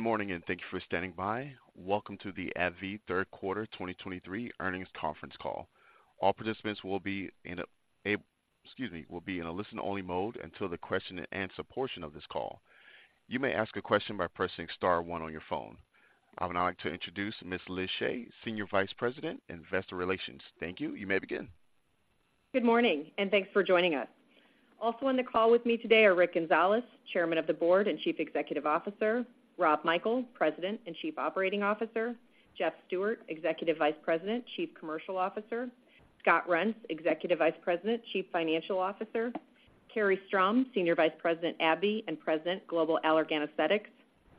Good morning, and thank you for standing by. Welcome to the AbbVie third quarter 2023 earnings conference call. All participants will be in a listen-only mode until the question-and-answer portion of this call. You may ask a question by pressing star one on your phone. I would now like to introduce Ms. Liz Shea, Senior Vice President, Investor Relations. Thank you. You may begin. Good morning, and thanks for joining us. Also on the call with me today are Rick Gonzalez, Chairman of the Board and Chief Executive Officer, Rob Michael, President and Chief Operating Officer, Jeff Stewart, Executive Vice President, Chief Commercial Officer, Scott Reents, Executive Vice President, Chief Financial Officer, Carrie Strom, Senior Vice President, AbbVie, and President, Global Allergan Aesthetics,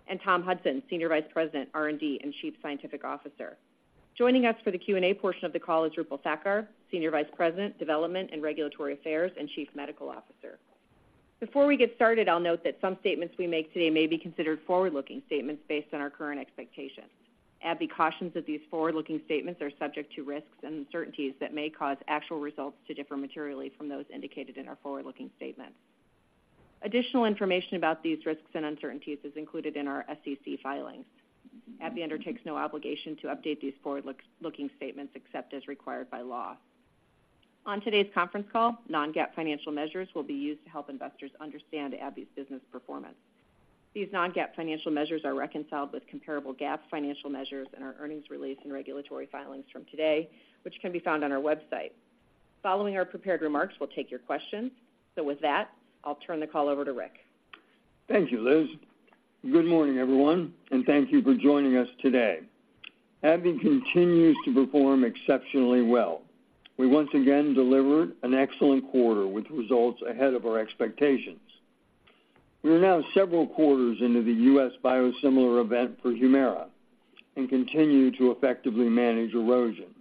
and Tom Hudson, Senior Vice President, R&D, and Chief Scientific Officer. Joining us for the Q&A portion of the call is Roopal Thakkar, Senior Vice President, Development and Regulatory Affairs, and Chief Medical Officer. Before we get started, I'll note that some statements we make today may be considered forward-looking statements based on our current expectations. AbbVie cautions that these forward-looking statements are subject to risks and uncertainties that may cause actual results to differ materially from those indicated in our forward-looking statements. Additional information about these risks and uncertainties is included in our SEC filings. AbbVie undertakes no obligation to update these forward-looking statements except as required by law. On today's conference call, non-GAAP financial measures will be used to help investors understand AbbVie's business performance. These non-GAAP financial measures are reconciled with comparable GAAP financial measures in our earnings release and regulatory filings from today, which can be found on our website. Following our prepared remarks, we'll take your questions. So with that, I'll turn the call over to Rick. Thank you, Liz. Good morning, everyone, and thank you for joining us today. AbbVie continues to perform exceptionally well. We once again delivered an excellent quarter with results ahead of our expectations. We are now several quarters into the U.S. biosimilar event for Humira and continue to effectively manage erosion.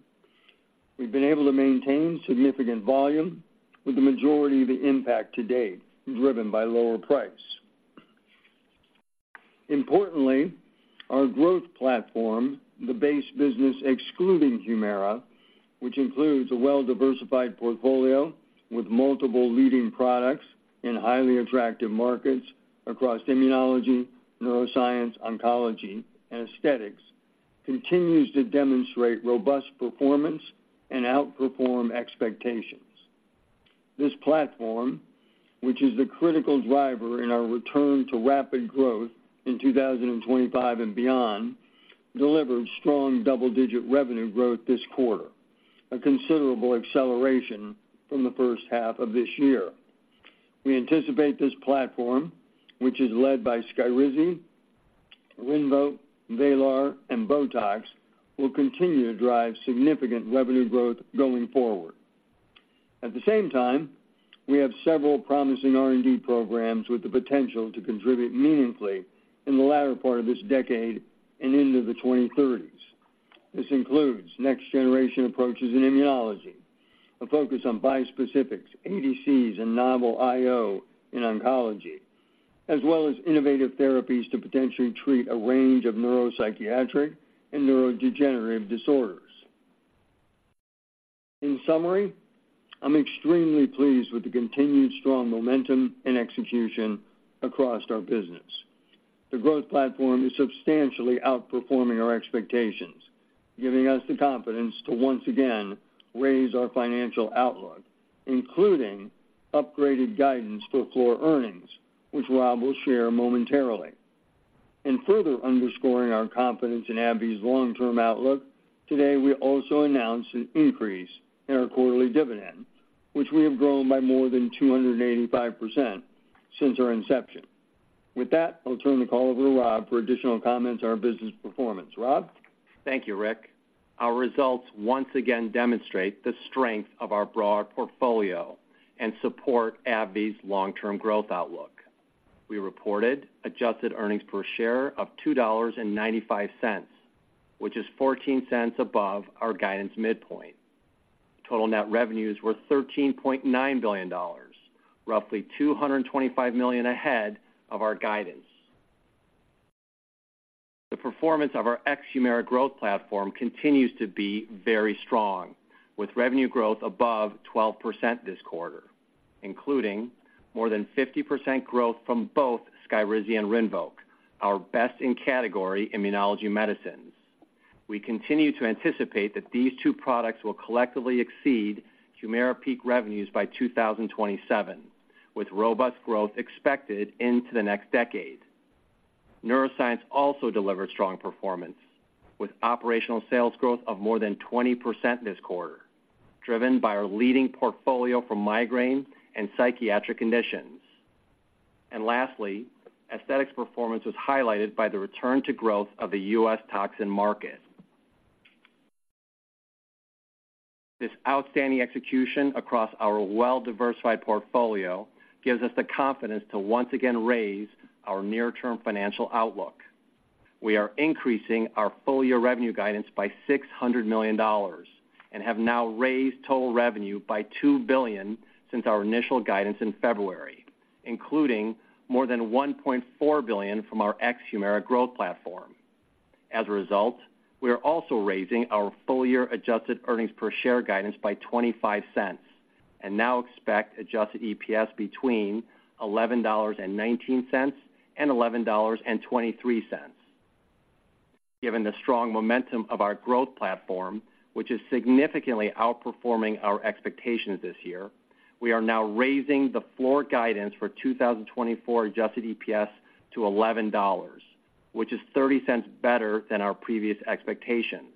We've been able to maintain significant volume, with the majority of the impact to date driven by lower price. Importantly, our growth platform, the base business excluding Humira, which includes a well-diversified portfolio with multiple leading products in highly attractive markets across immunology, neuroscience, oncology, and aesthetics, continues to demonstrate robust performance and outperform expectations. This platform, which is the critical driver in our return to rapid growth in 2025 and beyond, delivered strong double-digit revenue growth this quarter, a considerable acceleration from the first half of this year. We anticipate this platform, which is led by SKYRIZI, RINVOQ, VRAYLAR, and BOTOX, will continue to drive significant revenue growth going forward. At the same time, we have several promising R&D programs with the potential to contribute meaningfully in the latter part of this decade and into the 2030s. This includes next-generation approaches in immunology, a focus on bispecifics, ADCs, and novel IO in oncology, as well as innovative therapies to potentially treat a range of neuropsychiatric and neurodegenerative disorders. In summary, I'm extremely pleased with the continued strong momentum and execution across our business. The growth platform is substantially outperforming our expectations, giving us the confidence to once again raise our financial outlook, including upgraded guidance for full-year earnings, which Rob will share momentarily. In further underscoring our confidence in AbbVie's long-term outlook, today, we also announced an increase in our quarterly dividend, which we have grown by more than 285% since our inception. With that, I'll turn the call over to Rob for additional comments on our business performance. Rob? Thank you, Rick. Our results once again demonstrate the strength of our broad portfolio and support AbbVie's long-term growth outlook. We reported adjusted earnings per share of $2.95, which is $0.14 above our guidance midpoint. Total net revenues were $13.9 billion, roughly $225 million ahead of our guidance. The performance of our ex-Humira growth platform continues to be very strong, with revenue growth above 12% this quarter, including more than 50% growth from both SKYRIZI and RINVOQ, our best-in-category immunology medicines. We continue to anticipate that these two products will collectively exceed Humira peak revenues by 2027, with robust growth expected into the next decade. Neuroscience also delivered strong performance, with operational sales growth of more than 20% this quarter, driven by our leading portfolio for migraine and psychiatric conditions. Lastly, aesthetics performance was highlighted by the return to growth of the U.S. toxin market. This outstanding execution across our well-diversified portfolio gives us the confidence to once again raise our near-term financial outlook. We are increasing our full-year revenue guidance by $600 million and have now raised total revenue by $2 billion since our initial guidance in February, including more than $1.4 billion from our ex-Humira growth platform. As a result, we are also raising our full-year adjusted earnings per share guidance by $0.25, and now expect adjusted EPS between $11.19 and $11.23. Given the strong momentum of our growth platform, which is significantly outperforming our expectations this year, we are now raising the floor guidance for 2024 adjusted EPS to $11, which is $0.30 better than our previous expectations.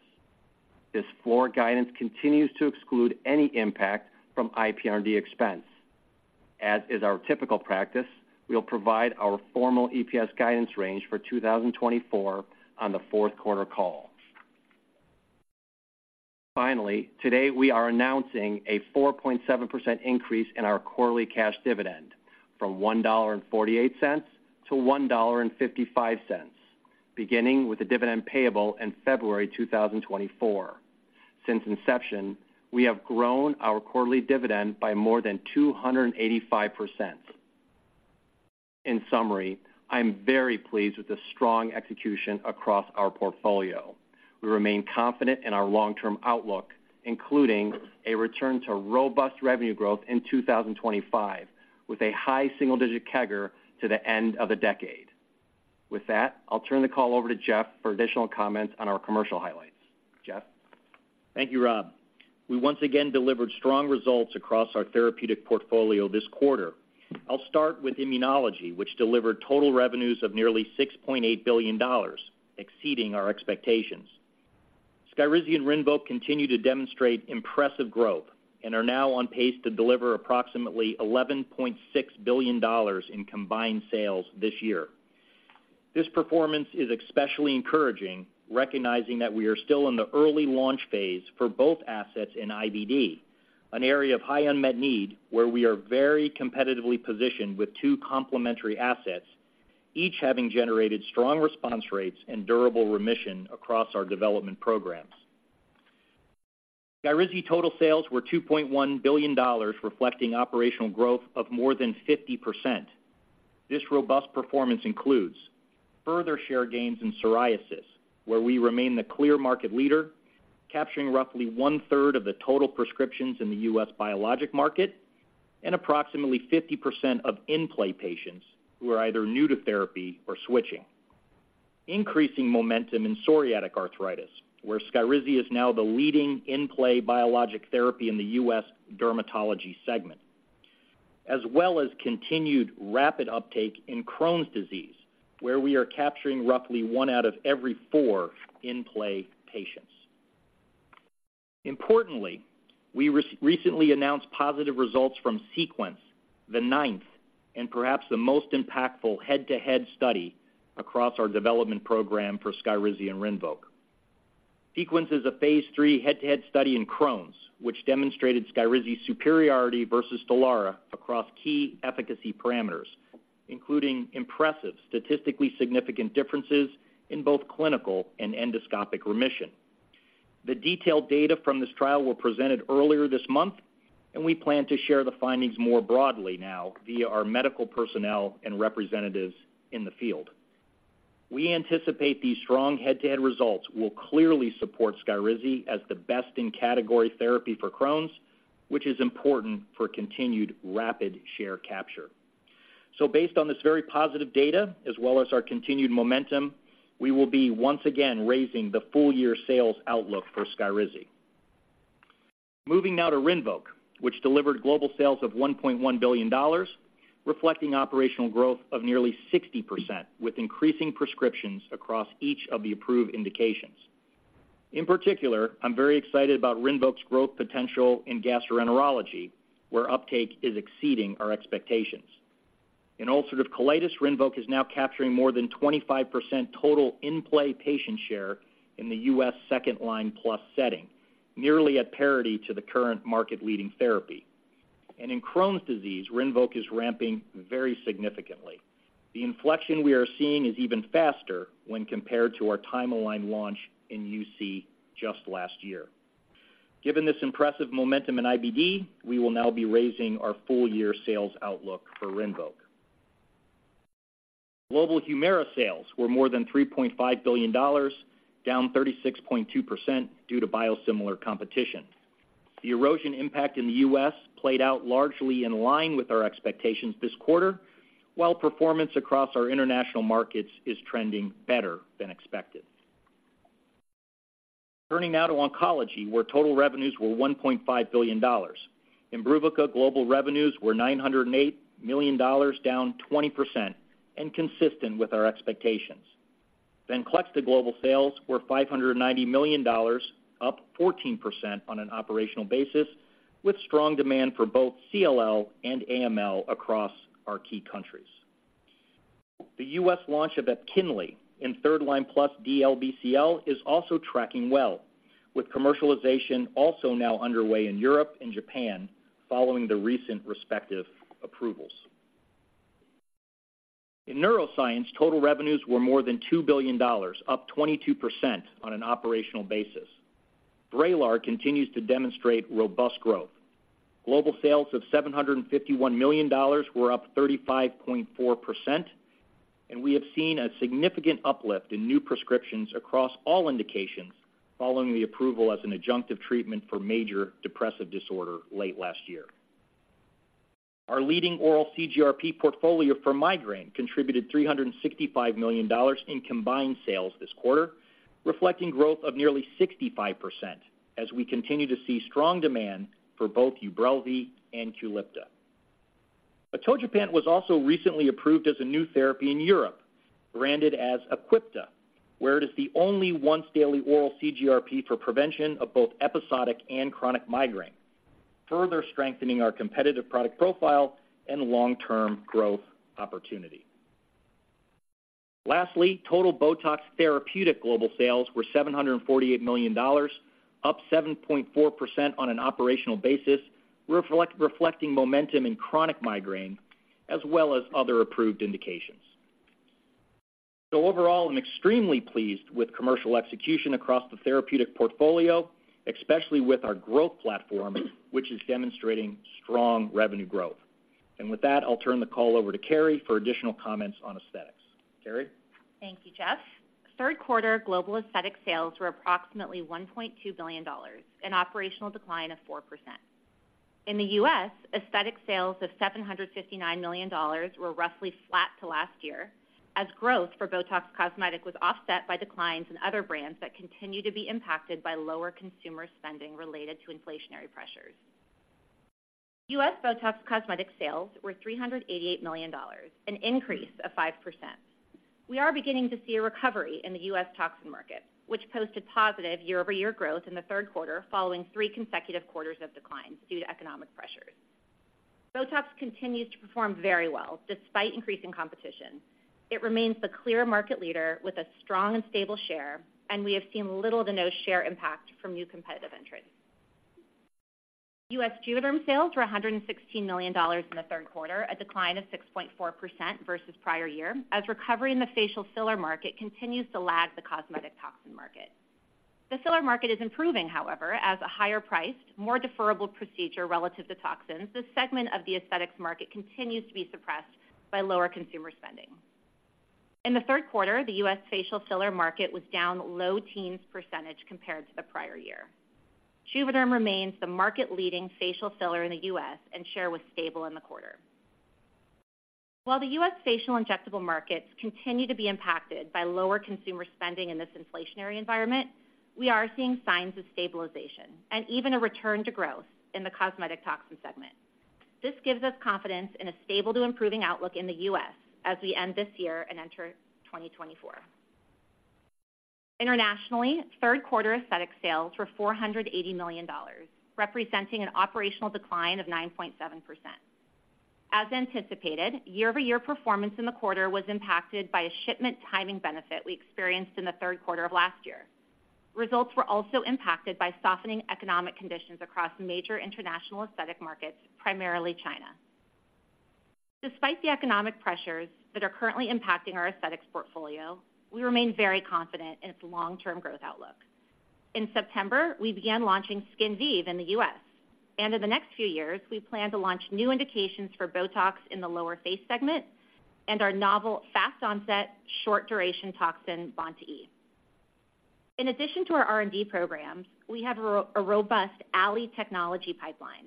This floor guidance continues to exclude any impact from IPR&D expense. As is our typical practice, we'll provide our formal EPS guidance range for 2024 on the fourth quarter call. Finally, today, we are announcing a 4.7% increase in our quarterly cash dividend from $1.48 to $1.55, beginning with the dividend payable in February 2024. Since inception, we have grown our quarterly dividend by more than 285%. In summary, I'm very pleased with the strong execution across our portfolio. We remain confident in our long-term outlook, including a return to robust revenue growth in 2025, with a high single-digit CAGR to the end of the decade. With that, I'll turn the call over to Jeff for additional comments on our commercial highlights. Jeff? Thank you, Rob. We once again delivered strong results across our therapeutic portfolio this quarter. I'll start with immunology, which delivered total revenues of nearly $6.8 billion, exceeding our expectations. SKYRIZI and RINVOQ continue to demonstrate impressive growth and are now on pace to deliver approximately $11.6 billion in combined sales this year. This performance is especially encouraging, recognizing that we are still in the early launch phase for both assets in IBD, an area of high unmet need, where we are very competitively positioned with two complementary assets, each having generated strong response rates and durable remission across our development programs. SKYRIZI total sales were $2.1 billion, reflecting operational growth of more than 50%. This robust performance includes further share gains in psoriasis, where we remain the clear market leader, capturing roughly one-third of the total prescriptions in the U.S. biologic market, and approximately 50% of in-play patients who are either new to therapy or switching. Increasing momentum in psoriatic arthritis, where SKYRIZI is now the leading in-play biologic therapy in the U.S. dermatology segment, as well as continued rapid uptake in Crohn's disease, where we are capturing roughly one out of every four in-play patients. Importantly, we recently announced positive results from SEQUENCE, the ninth and perhaps the most impactful head-to-head study across our development program for SKYRIZI and RINVOQ. SEQUENCE is a phase III head-to-head study in Crohn's, which demonstrated SKYRIZI's superiority versus STELARA across key efficacy parameters, including impressive statistically significant differences in both clinical and endoscopic remission. The detailed data from this trial were presented earlier this month, and we plan to share the findings more broadly now via our medical personnel and representatives in the field. We anticipate these strong head-to-head results will clearly support SKYRIZI as the best-in-category therapy for Crohn's, which is important for continued rapid share capture. Based on this very positive data, as well as our continued momentum, we will be once again raising the full year sales outlook for SKYRIZI. Moving now to RINVOQ, which delivered global sales of $1.1 billion, reflecting operational growth of nearly 60%, with increasing prescriptions across each of the approved indications. In particular, I'm very excited about RINVOQ's growth potential in gastroenterology, where uptake is exceeding our expectations. In ulcerative colitis, RINVOQ is now capturing more than 25% total in-play patient share in the U.S. second-line plus setting, nearly at parity to the current market-leading therapy. In Crohn's disease, RINVOQ is ramping very significantly. The inflection we are seeing is even faster when compared to our time-aligned launch in UC just last year. Given this impressive momentum in IBD, we will now be raising our full year sales outlook for RINVOQ. Global Humira sales were more than $3.5 billion, down 36.2% due to biosimilar competition. The erosion impact in the U.S. played out largely in line with our expectations this quarter, while performance across our international markets is trending better than expected. Turning now to oncology, where total revenues were $1.5 billion. IMBRUVICA global revenues were $908 million, down 20% and consistent with our expectations. VENCLEXTA global sales were $590 million, up 14% on an operational basis, with strong demand for both CLL and AML across our key countries. The U.S. launch of EPKINLY in third line plus DLBCL is also tracking well, with commercialization also now underway in Europe and Japan following the recent respective approvals. In neuroscience, total revenues were more than $2 billion, up 22% on an operational basis. VRAYLAR continues to demonstrate robust growth. Global sales of $751 million were up 35.4%, and we have seen a significant uplift in new prescriptions across all indications following the approval as an adjunctive treatment for major depressive disorder late last year. Our leading oral CGRP portfolio for migraine contributed $365 million in combined sales this quarter, reflecting growth of nearly 65%, as we continue to see strong demand for both UBRELVY and AQUIPTA. Atogepant was also recently approved as a new therapy in Europe, branded as Aquipta, where it is the only once-daily oral CGRP for prevention of both episodic and chronic migraine, further strengthening our competitive product profile and long-term growth opportunity. Lastly, total BOTOX Therapeutic global sales were $748 million, up 7.4% on an operational basis, reflecting momentum in chronic migraine, as well as other approved indications. So overall, I'm extremely pleased with commercial execution across the therapeutic portfolio, especially with our growth platform, which is demonstrating strong revenue growth. And with that, I'll turn the call over to Carrie for additional comments on aesthetics. Carrie? Thank you, Jeff. Third quarter global aesthetic sales were approximately $1.2 billion, an operational decline of 4%. In the U.S., aesthetic sales of $759 million were roughly flat to last year, as growth for BOTOX Cosmetic was offset by declines in other brands that continue to be impacted by lower consumer spending related to inflationary pressures. U.S. BOTOX Cosmetic sales were $388 million, an increase of 5%. We are beginning to see a recovery in the U.S. toxin market, which posted positive year-over-year growth in the third quarter, following three consecutive quarters of declines due to economic pressures. BOTOX continues to perform very well, despite increasing competition. It remains the clear market leader with a strong and stable share, and we have seen little to no share impact from new competitive entrants. U.S. JUVÉDERM sales were $116 million in the third quarter, a decline of 6.4% versus prior year, as recovery in the facial filler market continues to lag the cosmetic toxin market. The filler market is improving, however, as a higher priced, more deferrable procedure relative to toxins. This segment of the aesthetics market continues to be suppressed by lower consumer spending. In the third quarter, the U.S. facial filler market was down low teens percentage compared to the prior year. JUVÉDERM remains the market-leading facial filler in the U.S., and share was stable in the quarter. While the U.S. facial injectable markets continue to be impacted by lower consumer spending in this inflationary environment, we are seeing signs of stabilization and even a return to growth in the cosmetic toxin segment. This gives us confidence in a stable to improving outlook in the U.S. as we end this year and enter 2024. Internationally, third quarter aesthetic sales were $480 million, representing an operational decline of 9.7%. As anticipated, year-over-year performance in the quarter was impacted by a shipment timing benefit we experienced in the third quarter of last year. Results were also impacted by softening economic conditions across major international aesthetic markets, primarily China. Despite the economic pressures that are currently impacting our aesthetics portfolio, we remain very confident in its long-term growth outlook. In September, we began launching SKINVIVE in the U.S., and in the next few years, we plan to launch new indications for BOTOX in the lower face segment and our novel fast onset, short-duration toxin, BoNT/E. In addition to our R&D programs, we have a robust Allergan technology pipeline,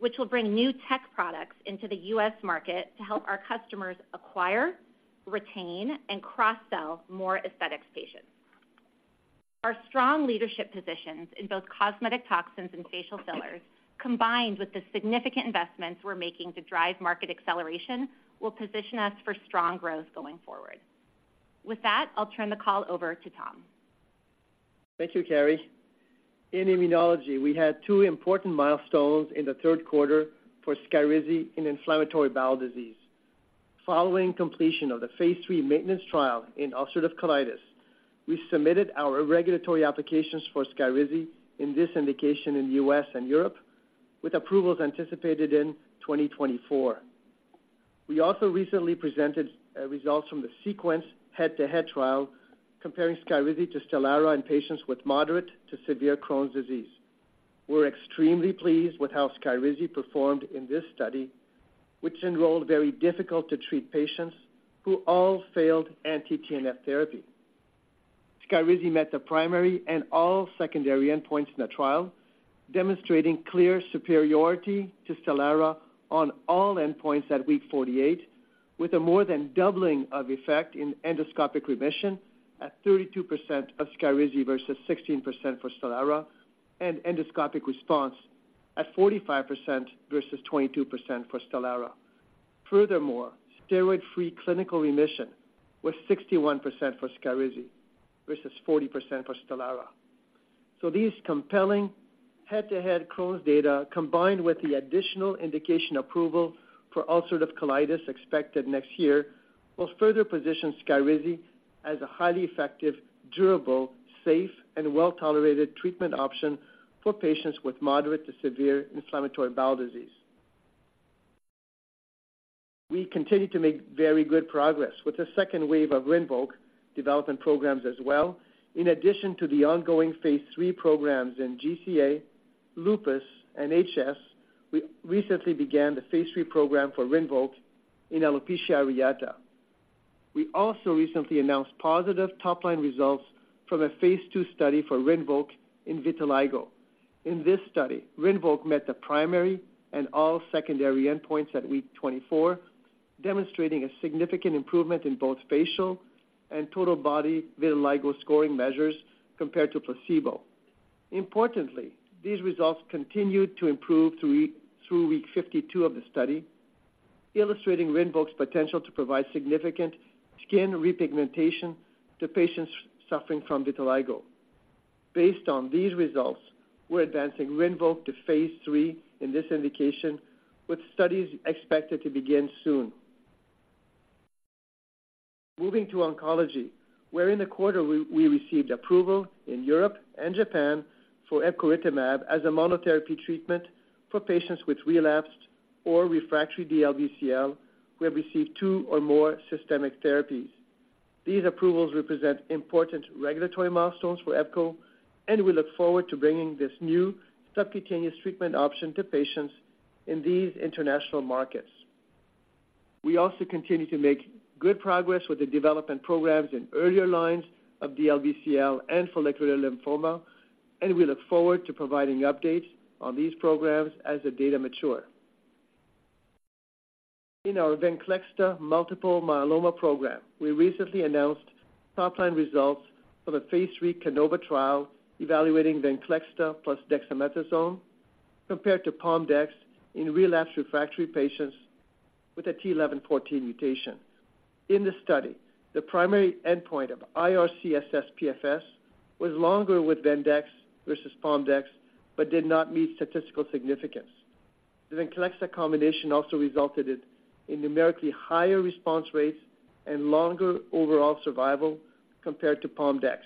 which will bring new tech products into the U.S. market to help our customers acquire, retain, and cross-sell more aesthetics patients. Our strong leadership positions in both cosmetic toxins and facial fillers, combined with the significant investments we're making to drive market acceleration, will position us for strong growth going forward. With that, I'll turn the call over to Tom. Thank you, Carrie. In immunology, we had two important milestones in the third quarter for SKYRIZI in inflammatory bowel disease. Following completion of the phase III maintenance trial in ulcerative colitis, we submitted our regulatory applications for SKYRIZI in this indication in the U.S. and Europe, with approvals anticipated in 2024. We also recently presented results from the SEQUENCE head-to-head trial comparing SKYRIZI to STELARA in patients with moderate to severe Crohn's disease. We're extremely pleased with how SKYRIZI performed in this study, which enrolled very difficult-to-treat patients who all failed Anti-TNF therapy. SKYRIZI met the primary and all secondary endpoints in the trial, demonstrating clear superiority to STELARA on all endpoints at week 48, with a more than doubling of effect in endoscopic remission at 32% of SKYRIZI versus 16% for STELARA, and endoscopic response at 45% versus 22% for STELARA. Furthermore, steroid-free clinical remission was 61% for SKYRIZI versus 40% for STELARA. So these compelling head-to-head Crohn's data, combined with the additional indication approval for ulcerative colitis expected next year, will further position SKYRIZI as a highly effective, durable, safe, and well-tolerated treatment option for patients with moderate to severe inflammatory bowel disease.... We continue to make very good progress with the second wave of RINVOQ development programs as well. In addition to the ongoing phase III programs in GCA, lupus, and HS, we recently began the phase III program for RINVOQ in alopecia areata. We also recently announced positive top-line results from a phase II study for RINVOQ in vitiligo. In this study, RINVOQ met the primary and all secondary endpoints at week 24, demonstrating a significant improvement in both facial and total body vitiligo scoring measures compared to placebo. Importantly, these results continued to improve through week 52 of the study, illustrating RINVOQ's potential to provide significant skin repigmentation to patients suffering from vitiligo. Based on these results, we're advancing RINVOQ to phase III in this indication, with studies expected to begin soon. Moving to oncology, where in the quarter we received approval in Europe and Japan for epcoritamab as a monotherapy treatment for patients with relapsed or refractory DLBCL, who have received two or more systemic therapies. These approvals represent important regulatory milestones for EPKINLY, and we look forward to bringing this new subcutaneous treatment option to patients in these international markets. We also continue to make good progress with the development programs in earlier lines of DLBCL and follicular lymphoma, and we look forward to providing updates on these programs as the data mature. In our VENCLEXTA multiple myeloma program, we recently announced top-line results from a phase III CANOVA trial evaluating VENCLEXTA plus dexamethasone compared to Pom-dex in relapsed/refractory patients with a t(11;14) mutation. In the study, the primary endpoint of IRC-assessed PFS was longer with VENCLEXTA versus PomDex, but did not meet statistical significance. The VENCLEXTA combination also resulted in numerically higher response rates and longer overall survival compared to PomDex.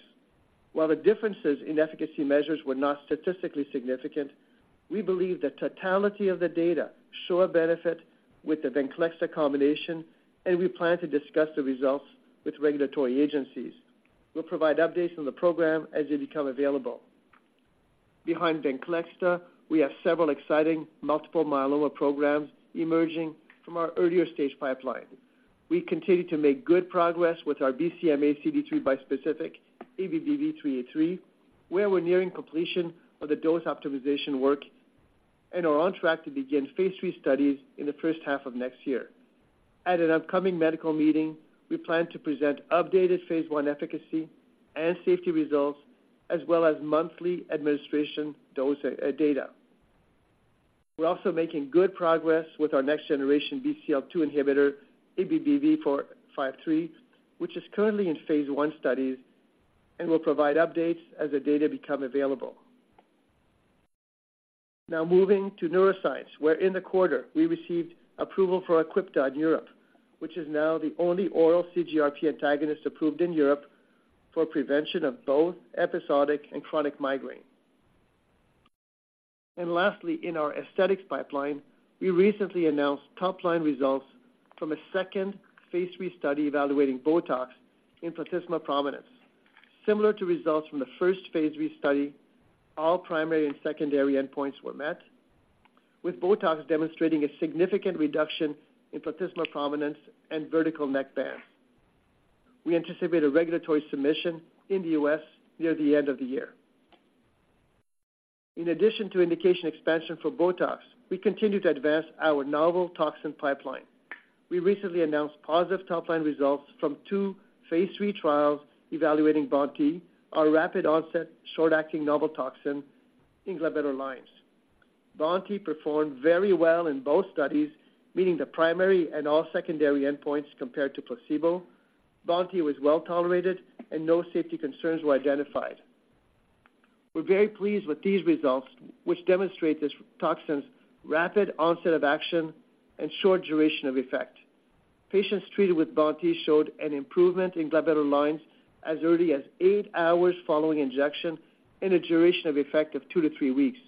While the differences in efficacy measures were not statistically significant, we believe the totality of the data show a benefit with the VENCLEXTA combination, and we plan to discuss the results with regulatory agencies. We'll provide updates on the program as they become available. Behind VENCLEXTA, we have several exciting multiple myeloma programs emerging from our earlier stage pipeline. We continue to make good progress with our BCMA CD3 bispecific ABBV-383, where we're nearing completion of the dose optimization work and are on track to begin phase III studies in the first half of next year. At an upcoming medical meeting, we plan to present updated phase I efficacy and safety results, as well as monthly administration dose data. We're also making good progress with our next generation BCL-2 inhibitor, ABBV-453, which is currently in phase I studies and will provide updates as the data become available. Now, moving to neuroscience, where in the quarter we received approval for Aquipta in Europe, which is now the only oral CGRP antagonist approved in Europe for prevention of both episodic and chronic migraine. Lastly, in our aesthetics pipeline, we recently announced top-line results from a second phase III study evaluating BOTOX in platysma prominence. Similar to results from the first phase III study, all primary and secondary endpoints were met, with BOTOX demonstrating a significant reduction in platysma prominence and vertical neck bands. We anticipate a regulatory submission in the U.S. near the end of the year. In addition to indication expansion for BOTOX, we continue to advance our novel toxin pipeline. We recently announced positive top-line results from two phase III trials evaluating BONT/E, our rapid onset, short-acting novel toxin in glabellar lines. BONT/E performed very well in both studies, meeting the primary and all secondary endpoints compared to placebo. BONT/E was well tolerated and no safety concerns were identified. We're very pleased with these results, which demonstrate this toxin's rapid onset of action and short duration of effect. Patients treated with BONT/E showed an improvement in glabellar lines as early as 8 hours following injection and a duration of effect of two to three weeks.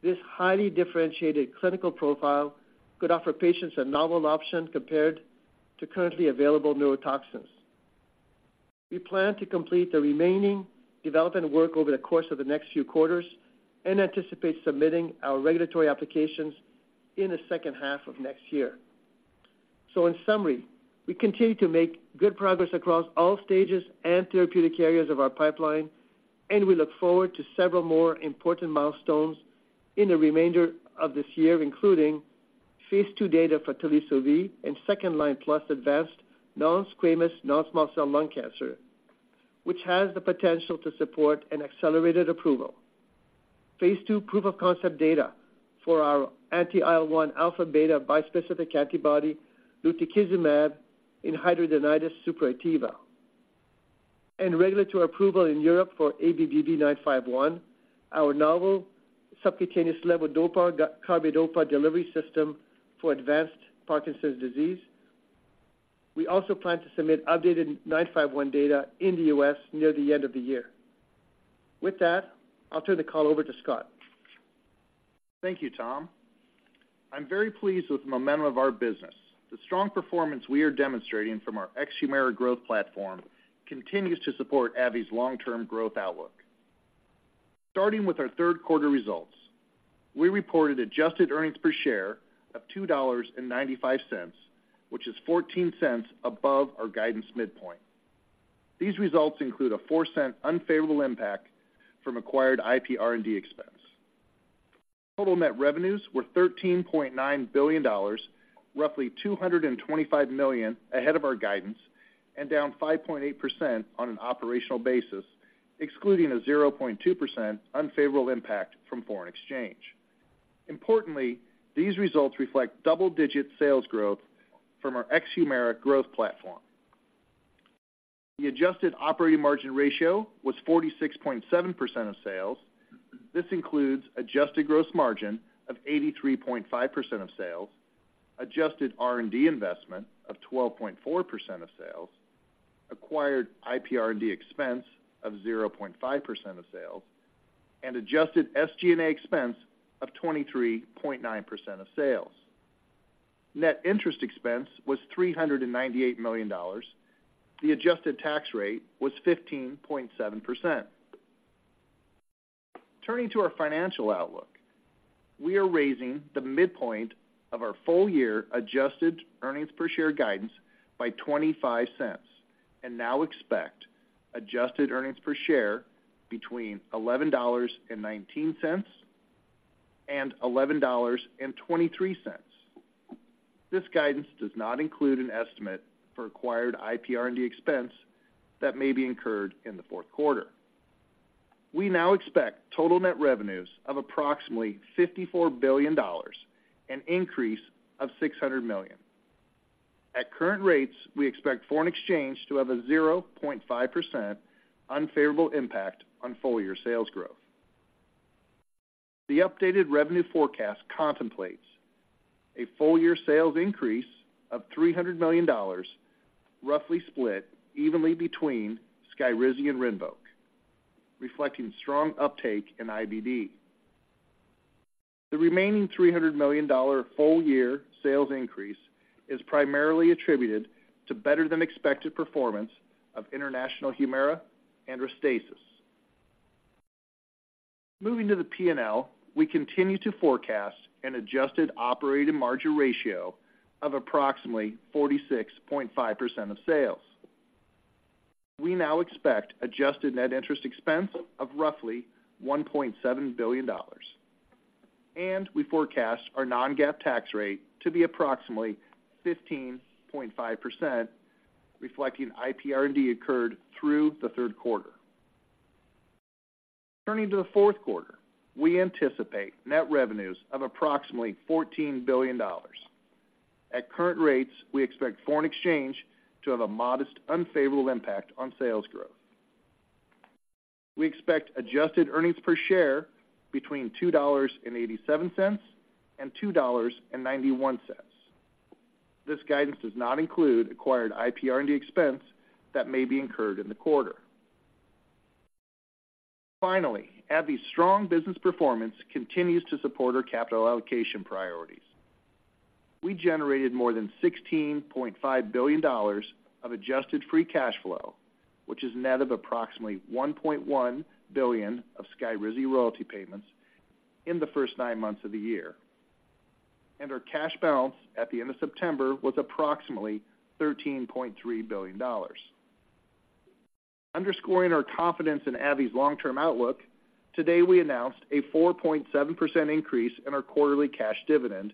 This highly differentiated clinical profile could offer patients a novel option compared to currently available neurotoxins. We plan to complete the remaining development work over the course of the next few quarters and anticipate submitting our regulatory applications in the second half of next year. So in summary, we continue to make good progress across all stages and therapeutic areas of our pipeline, and we look forward to several more important milestones in the remainder of this year, including phase II data for Teliso-V and second-line plus advanced non-squamous, non-small cell lung cancer, which has the potential to support an accelerated approval. phase II proof of concept data for our anti-IL-1 alpha beta bispecific antibody, lutikizumab, in hidradenitis suppurativa. Regulatory approval in Europe for ABBV-951, our novel subcutaneous levodopa/carbidopa delivery system for advanced Parkinson's disease. We also plan to submit updated 951 data in the U.S. near the end of the year. With that, I'll turn the call over to Scott. Thank you, Tom. I'm very pleased with the momentum of our business. The strong performance we are demonstrating from our ex-Humira growth platform continues to support AbbVie's long-term growth outlook. Starting with our third quarter results, we reported adjusted earnings per share of $2.95, which is 14 cents above our guidance midpoint. These results include a $0.04 unfavorable impact from acquired IPR&D expense. Total net revenues were $13.9 billion, roughly $225 million ahead of our guidance, and down 5.8% on an operational basis, excluding a 0.2% unfavorable impact from foreign exchange. Importantly, these results reflect double-digit sales growth from our ex-Humira growth platform. The adjusted operating margin ratio was 46.7% of sales. This includes adjusted gross margin of 83.5% of sales, adjusted R&D investment of 12.4% of sales, acquired IPR&D expense of 0.5% of sales, and adjusted SG&A expense of 23.9% of sales. Net interest expense was $398 million. The adjusted tax rate was 15.7%. Turning to our financial outlook, we are raising the midpoint of our full-year adjusted earnings per share guidance by $0.25 and now expect adjusted earnings per share between $11.19 and $11.23. This guidance does not include an estimate for acquired IPR&D expense that may be incurred in the fourth quarter. We now expect total net revenues of approximately $54 billion, an increase of $600 million. At current rates, we expect foreign exchange to have a 0.5% unfavorable impact on full-year sales growth. The updated revenue forecast contemplates a full-year sales increase of $300 million, roughly split evenly between SKYRIZI and RINVOQ, reflecting strong uptake in IBD. The remaining $300 million full-year sales increase is primarily attributed to better than expected performance of international Humira and RESTASIS. Moving to the P&L, we continue to forecast an adjusted operating margin ratio of approximately 46.5% of sales. We now expect adjusted net interest expense of roughly $1.7 billion, and we forecast our non-GAAP tax rate to be approximately 15.5%, reflecting IPR&D occurred through the third quarter. Turning to the fourth quarter, we anticipate net revenues of approximately $14 billion. At current rates, we expect foreign exchange to have a modest, unfavorable impact on sales growth. We expect adjusted earnings per share between $2.87 and $2.91. This guidance does not include acquired IPR&D expense that may be incurred in the quarter. Finally, AbbVie's strong business performance continues to support our capital allocation priorities. We generated more than $16.5 billion of adjusted free cash flow, which is net of approximately $1.1 billion of SKYRIZI royalty payments in the first nine months of the year, and our cash balance at the end of September was approximately $13.3 billion. Underscoring our confidence in AbbVie's long-term outlook, today, we announced a 4.7% increase in our quarterly cash dividend,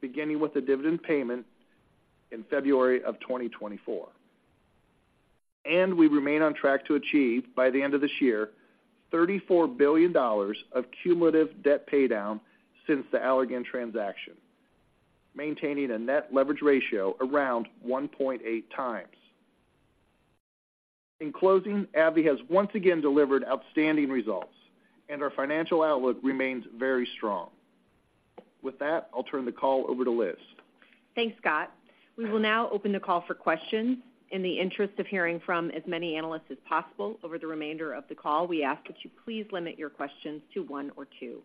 beginning with the dividend payment in February of 2024. We remain on track to achieve, by the end of this year, $34 billion of cumulative debt paydown since the Allergan transaction, maintaining a net leverage ratio around 1.8 times. In closing, AbbVie has once again delivered outstanding results, and our financial outlook remains very strong. With that, I'll turn the call over to Liz. Thanks, Scott. We will now open the call for questions. In the interest of hearing from as many analysts as possible over the remainder of the call, we ask that you please limit your questions to one or two.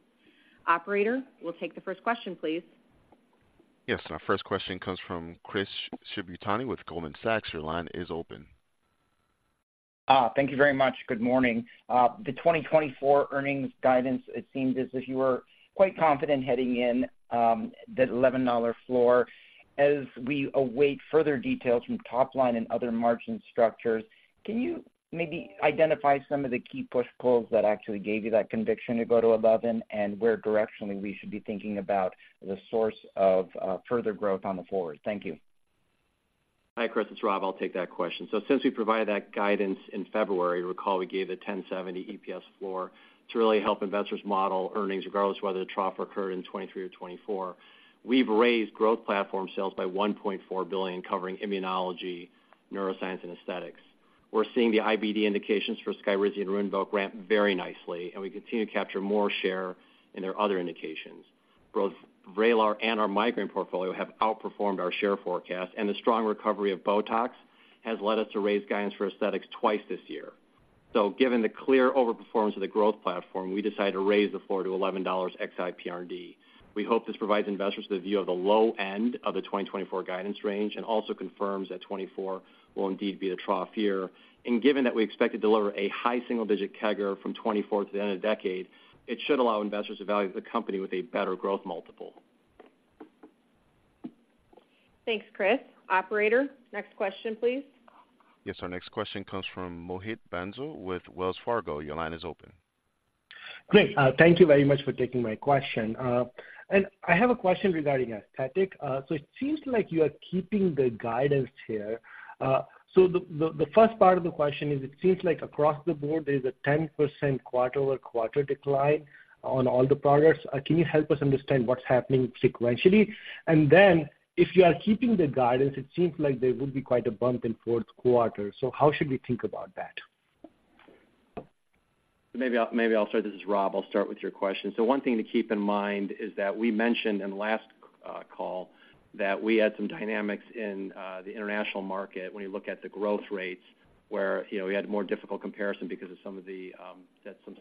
Operator, we'll take the first question, please. Yes, our first question comes from Chris Shibutani with Goldman Sachs. Your line is open. Thank you very much. Good morning. The 2024 earnings guidance, it seems as if you were quite confident heading in, that $11 floor. As we await further details from top line and other margin structures, can you maybe identify some of the key push pulls that actually gave you that conviction to go to 11, and where directionally we should be thinking about the source of, further growth on the forward? Thank you. Hi, Chris, it's Rob. I'll take that question. So since we provided that guidance in February, recall we gave a $10.70 EPS floor to really help investors model earnings, regardless of whether the trough occurred in 2023 or 2024. We've raised growth platform sales by $1.4 billion, covering immunology, neuroscience, and aesthetics. We're seeing the IBD indications for SKYRIZI and RINVOQ ramp very nicely, and we continue to capture more share in their other indications.... Both VRAYLAR and our migraine portfolio have outperformed our share forecast, and the strong recovery of BOTOX has led us to raise guidance for aesthetics twice this year. So given the clear overperformance of the growth platform, we decided to raise the $4-$11 ex-IPRD. We hope this provides investors with a view of the low end of the 2024 guidance range and also confirms that 2024 will indeed be the trough year. And given that we expect to deliver a high single-digit CAGR from 2024 to the end of the decade, it should allow investors to value the company with a better growth multiple. Thanks, Chris. Operator, next question, please. Yes, our next question comes from Mohit Bansal with Wells Fargo. Your line is open. Great. Thank you very much for taking my question. And I have a question regarding aesthetics. So it seems like you are keeping the guidance here. The first part of the question is, it seems like across the board, there's a 10% quarter-over-quarter decline on all the products. Can you help us understand what's happening sequentially? And then, if you are keeping the guidance, it seems like there would be quite a bump in fourth quarter. So how should we think about that? Maybe I'll start. This is Rob. I'll start with your question. So one thing to keep in mind is that we mentioned in the last call that we had some dynamics in the international market when you look at the growth rates, where, you know, we had a more difficult comparison because of some of the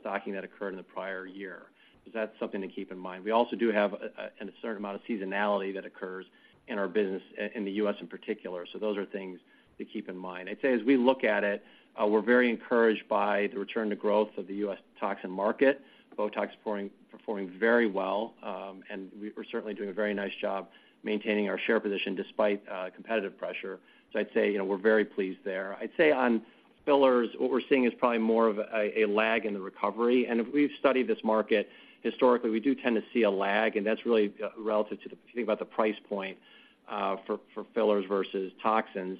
stocking that occurred in the prior year. So that's something to keep in mind. We also do have a certain amount of seasonality that occurs in our business, in the U.S. in particular. So those are things to keep in mind. I'd say, as we look at it, we're very encouraged by the return to growth of the U.S. toxin market. BOTOX performing very well, and we're certainly doing a very nice job maintaining our share position despite competitive pressure. So I'd say, you know, we're very pleased there. I'd say on fillers, what we're seeing is probably more of a lag in the recovery. And if we've studied this market, historically, we do tend to see a lag, and that's really relative to, if you think about the price point for fillers versus toxins,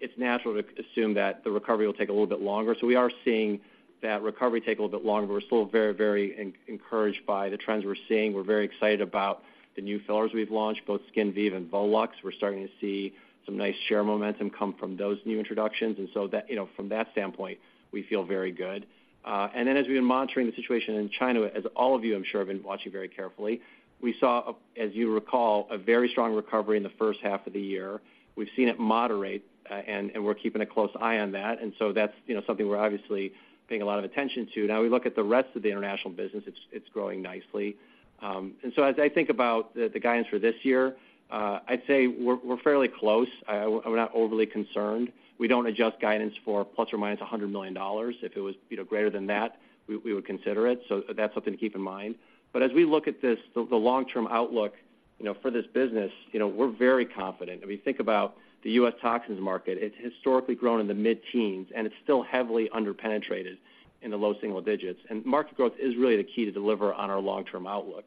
it's natural to assume that the recovery will take a little bit longer. So we are seeing that recovery take a little bit longer, but we're still very, very encouraged by the trends we're seeing. We're very excited about the new fillers we've launched, both SKINVIVE and VOLUX. We're starting to see some nice share momentum come from those new introductions, and so that, you know, from that standpoint, we feel very good. And then as we've been monitoring the situation in China, as all of you, I'm sure, have been watching very carefully, we saw, as you recall, a very strong recovery in the first half of the year. We've seen it moderate, and we're keeping a close eye on that. And so that's, you know, something we're obviously paying a lot of attention to. Now, we look at the rest of the international business, it's growing nicely. And so as I think about the guidance for this year, I'd say we're fairly close. We're not overly concerned. We don't adjust guidance for plus or minus $100 million. If it was, you know, greater than that, we would consider it, so that's something to keep in mind. But as we look at this, the long-term outlook, you know, for this business, you know, we're very confident. If you think about the U.S. toxins market, it's historically grown in the mid-teens, and it's still heavily underpenetrated in the low single digits. And market growth is really the key to deliver on our long-term outlook.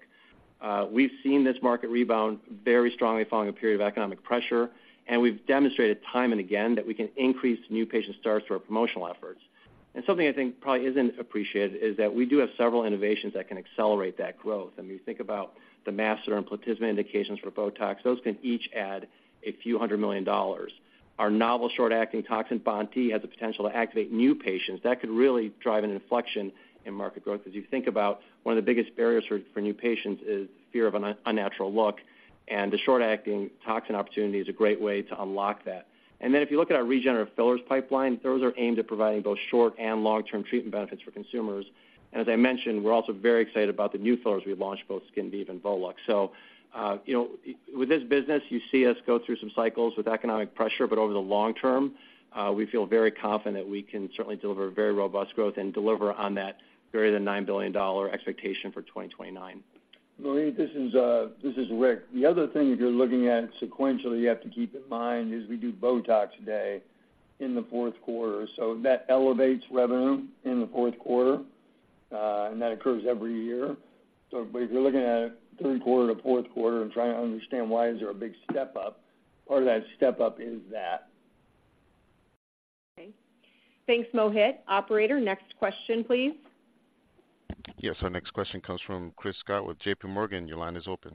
We've seen this market rebound very strongly following a period of economic pressure, and we've demonstrated time and again that we can increase new patient starts through our promotional efforts. And something I think probably isn't appreciated is that we do have several innovations that can accelerate that growth. I mean, you think about the masseter and platysma indications for BOTOX, those can each add a few $100,000. Our novel short-acting toxin, BONT/E, has the potential to activate new patients. That could really drive an inflection in market growth. As you think about one of the biggest barriers for new patients is fear of an unnatural look, and the short-acting toxin opportunity is a great way to unlock that. And then if you look at our regenerative fillers pipeline, those are aimed at providing both short and long-term treatment benefits for consumers. And as I mentioned, we're also very excited about the new fillers we've launched, both SKINVIVE and VOLUX. So, you know, with this business, you see us go through some cycles with economic pressure, but over the long term, we feel very confident we can certainly deliver very robust growth and deliver on that greater than $9 billion expectation for 2029. Mohit, this is this is Rick. The other thing, if you're looking at sequentially, you have to keep in mind, is we do BOTOX Day in the fourth quarter, so that elevates revenue in the fourth quarter, and that occurs every year. So but if you're looking at it third quarter to fourth quarter and trying to understand why is there a big step up, part of that step up is that. Okay. Thanks, Mohit. Operator, next question, please. Yes, our next question comes from Chris Schott with JPMorgan. Your line is open.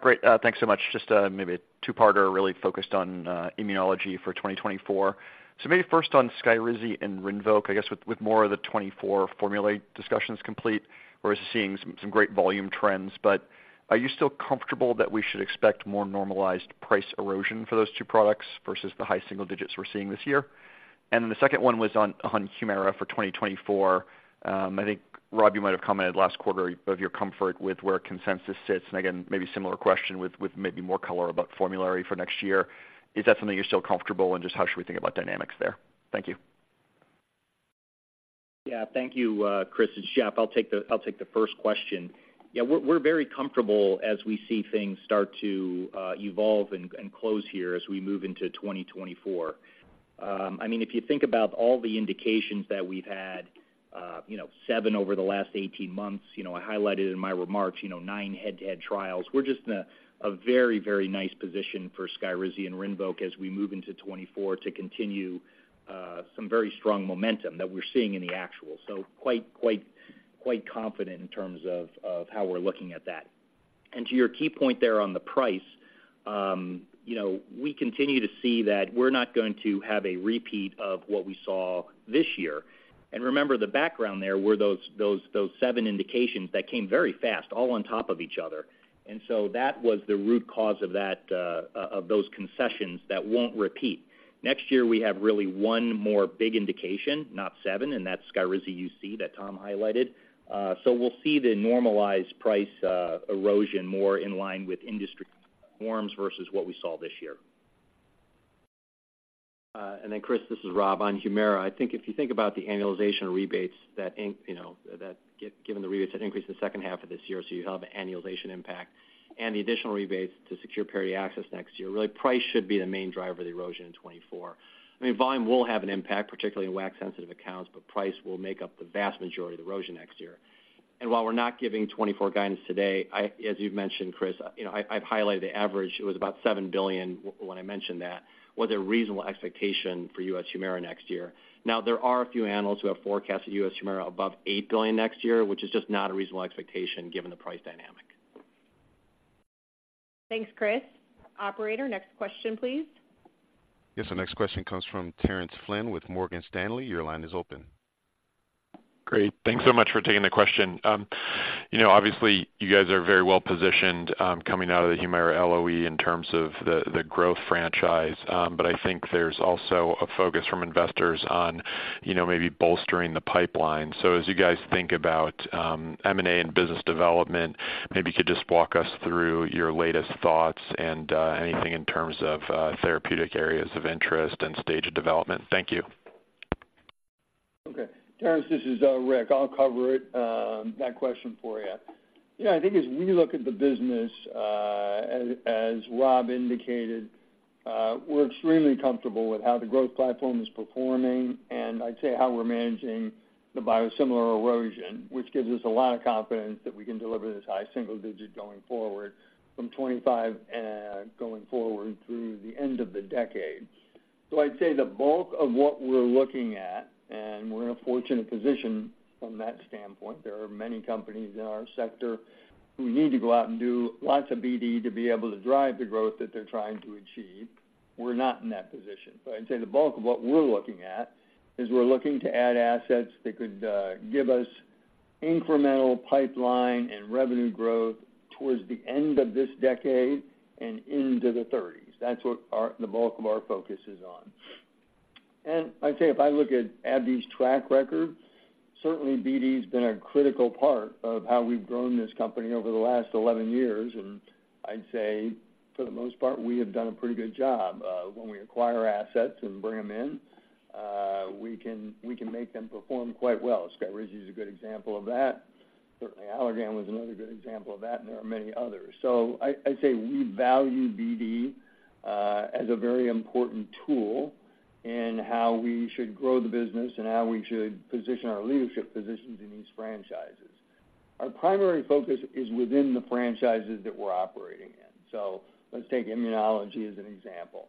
Great. Thanks so much. Just maybe a two-parter, really focused on immunology for 2024. So maybe first on SKYRIZI and RINVOQ, I guess, with more of the 2024 formulary discussions complete, we're seeing some great volume trends. But are you still comfortable that we should expect more normalized price erosion for those two products versus the high single digits we're seeing this year? And then the second one was on Humira for 2024. I think, Rob, you might have commented last quarter of your comfort with where consensus sits. And again, maybe a similar question with maybe more color about formulary for next year. Is that something you're still comfortable in, just how should we think about dynamics there? Thank you. Yeah. Thank you, Chris and Jeff. I'll take the, I'll take the first question. Yeah, we're very comfortable as we see things start to evolve and close here as we move into 2024. I mean, if you think about all the indications that we've had, you know, seven over the last 18 months, you know, I highlighted in my remarks, you know, 9 head-to-head trials. We're just in a very, very nice position for SKYRIZI and RINVOQ as we move into 2024 to continue some very strong momentum that we're seeing in the actual. So quite, quite, quite confident in terms of how we're looking at that. And to your key point there on the price-... You know, we continue to see that we're not going to have a repeat of what we saw this year. And remember, the background there were those seven indications that came very fast, all on top of each other. And so that was the root cause of that, of those concessions that won't repeat. Next year, we have really one more big indication, not seven, and that's SKYRIZI UC that Tom highlighted. So we'll see the normalized price erosion more in line with industry norms versus what we saw this year. And then, Chris, this is Rob. On Humira, I think if you think about the annualization rebates that—you know, that given the rebates that increased in the second half of this year, so you have an annualization impact and the additional rebates to secure preferred access next year, really, price should be the main driver of the erosion in 2024. I mean, volume will have an impact, particularly in WAC-sensitive accounts, but price will make up the vast majority of the erosion next year. And while we're not giving 2024 guidance today, I, as you've mentioned, Chris, you know, I, I've highlighted the average. It was about $7 billion when I mentioned that, was a reasonable expectation for U.S. Humira next year. Now, there are a few analysts who have forecasted U.S. Humira above $8 billion next year, which is just not a reasonable expectation given the price dynamic. Thanks, Chris. Operator, next question, please. Yes, the next question comes from Terence Flynn with Morgan Stanley. Your line is open. Great. Thanks so much for taking the question. You know, obviously, you guys are very well positioned, coming out of the Humira LOE in terms of the, the growth franchise. But I think there's also a focus from investors on, you know, maybe bolstering the pipeline. So as you guys think about, M&A and business development, maybe you could just walk us through your latest thoughts and, anything in terms of, therapeutic areas of interest and stage of development. Thank you. Okay, Terence, this is Rick. I'll cover it, that question for you. Yeah, I think as we look at the business, as, as Rob indicated, we're extremely comfortable with how the growth platform is performing and I'd say how we're managing the biosimilar erosion, which gives us a lot of confidence that we can deliver this high single digit going forward from 25, going forward through the end of the decade. So I'd say the bulk of what we're looking at, and we're in a fortunate position from that standpoint, there are many companies in our sector who need to go out and do lots of BD to be able to drive the growth that they're trying to achieve. We're not in that position. So I'd say the bulk of what we're looking at is we're looking to add assets that could give us incremental pipeline and revenue growth towards the end of this decade and into the thirties. That's what our—the bulk of our focus is on. And I'd say if I look at AbbVie's track record, certainly BD's been a critical part of how we've grown this company over the last 11 years, and I'd say, for the most part, we have done a pretty good job. When we acquire assets and bring them in, we can, we can make them perform quite well. SKYRIZI is a good example of that. Certainly, Allergan was another good example of that, and there are many others. So I'd say we value BD as a very important tool in how we should grow the business and how we should position our leadership positions in these franchises. Our primary focus is within the franchises that we're operating in. So let's take immunology as an example.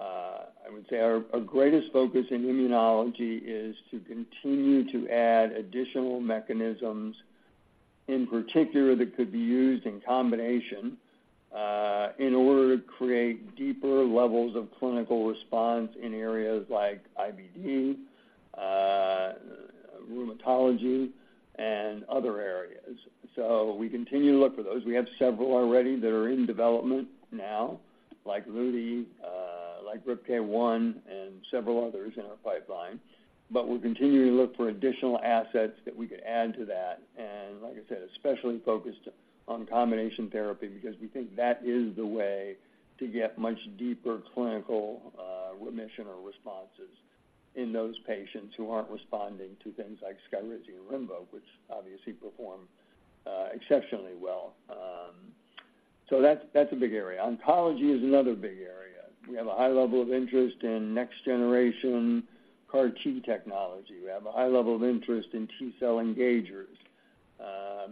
I would say our, our greatest focus in immunology is to continue to add additional mechanisms, in particular, that could be used in combination, in order to create deeper levels of clinical response in areas like IBD, rheumatology, and other areas. So we continue to look for those. We have several already that are in development now, like Lutikizumab, like RIPK1 and several others in our pipeline. But we're continuing to look for additional assets that we could add to that, and like I said, especially focused on combination therapy, because we think that is the way to get much deeper clinical remission or responses in those patients who aren't responding to things like SKYRIZI and RINVOQ, which obviously perform exceptionally well. So that's a big area. Oncology is another big area. We have a high level of interest in next-generation CAR T technology. We have a high level of interest in T-cell engagers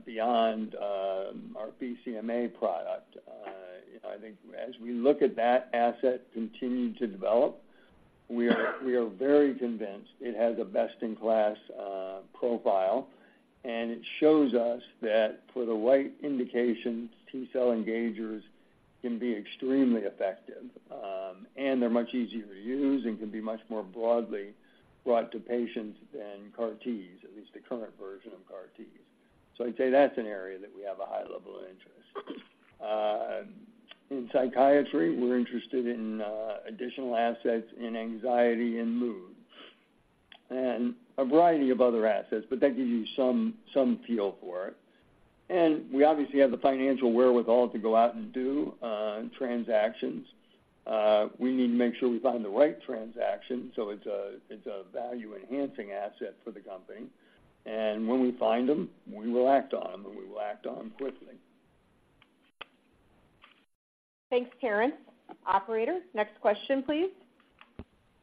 beyond our BCMA product. I think as we look at that asset continue to develop, we are very convinced it has a best-in-class profile, and it shows us that for the right indications, T-cell engagers can be extremely effective, and they're much easier to use and can be much more broadly brought to patients than CAR Ts, at least the current version of CAR Ts. So I'd say that's an area that we have a high level of interest. In psychiatry, we're interested in additional assets in anxiety and mood, and a variety of other assets, but that gives you some feel for it. We obviously have the financial wherewithal to go out and do transactions. We need to make sure we find the right transaction, so it's a value-enhancing asset for the company. When we find them, we will act on them, and we will act on them quickly. Thanks, Terence. Operator, next question, please.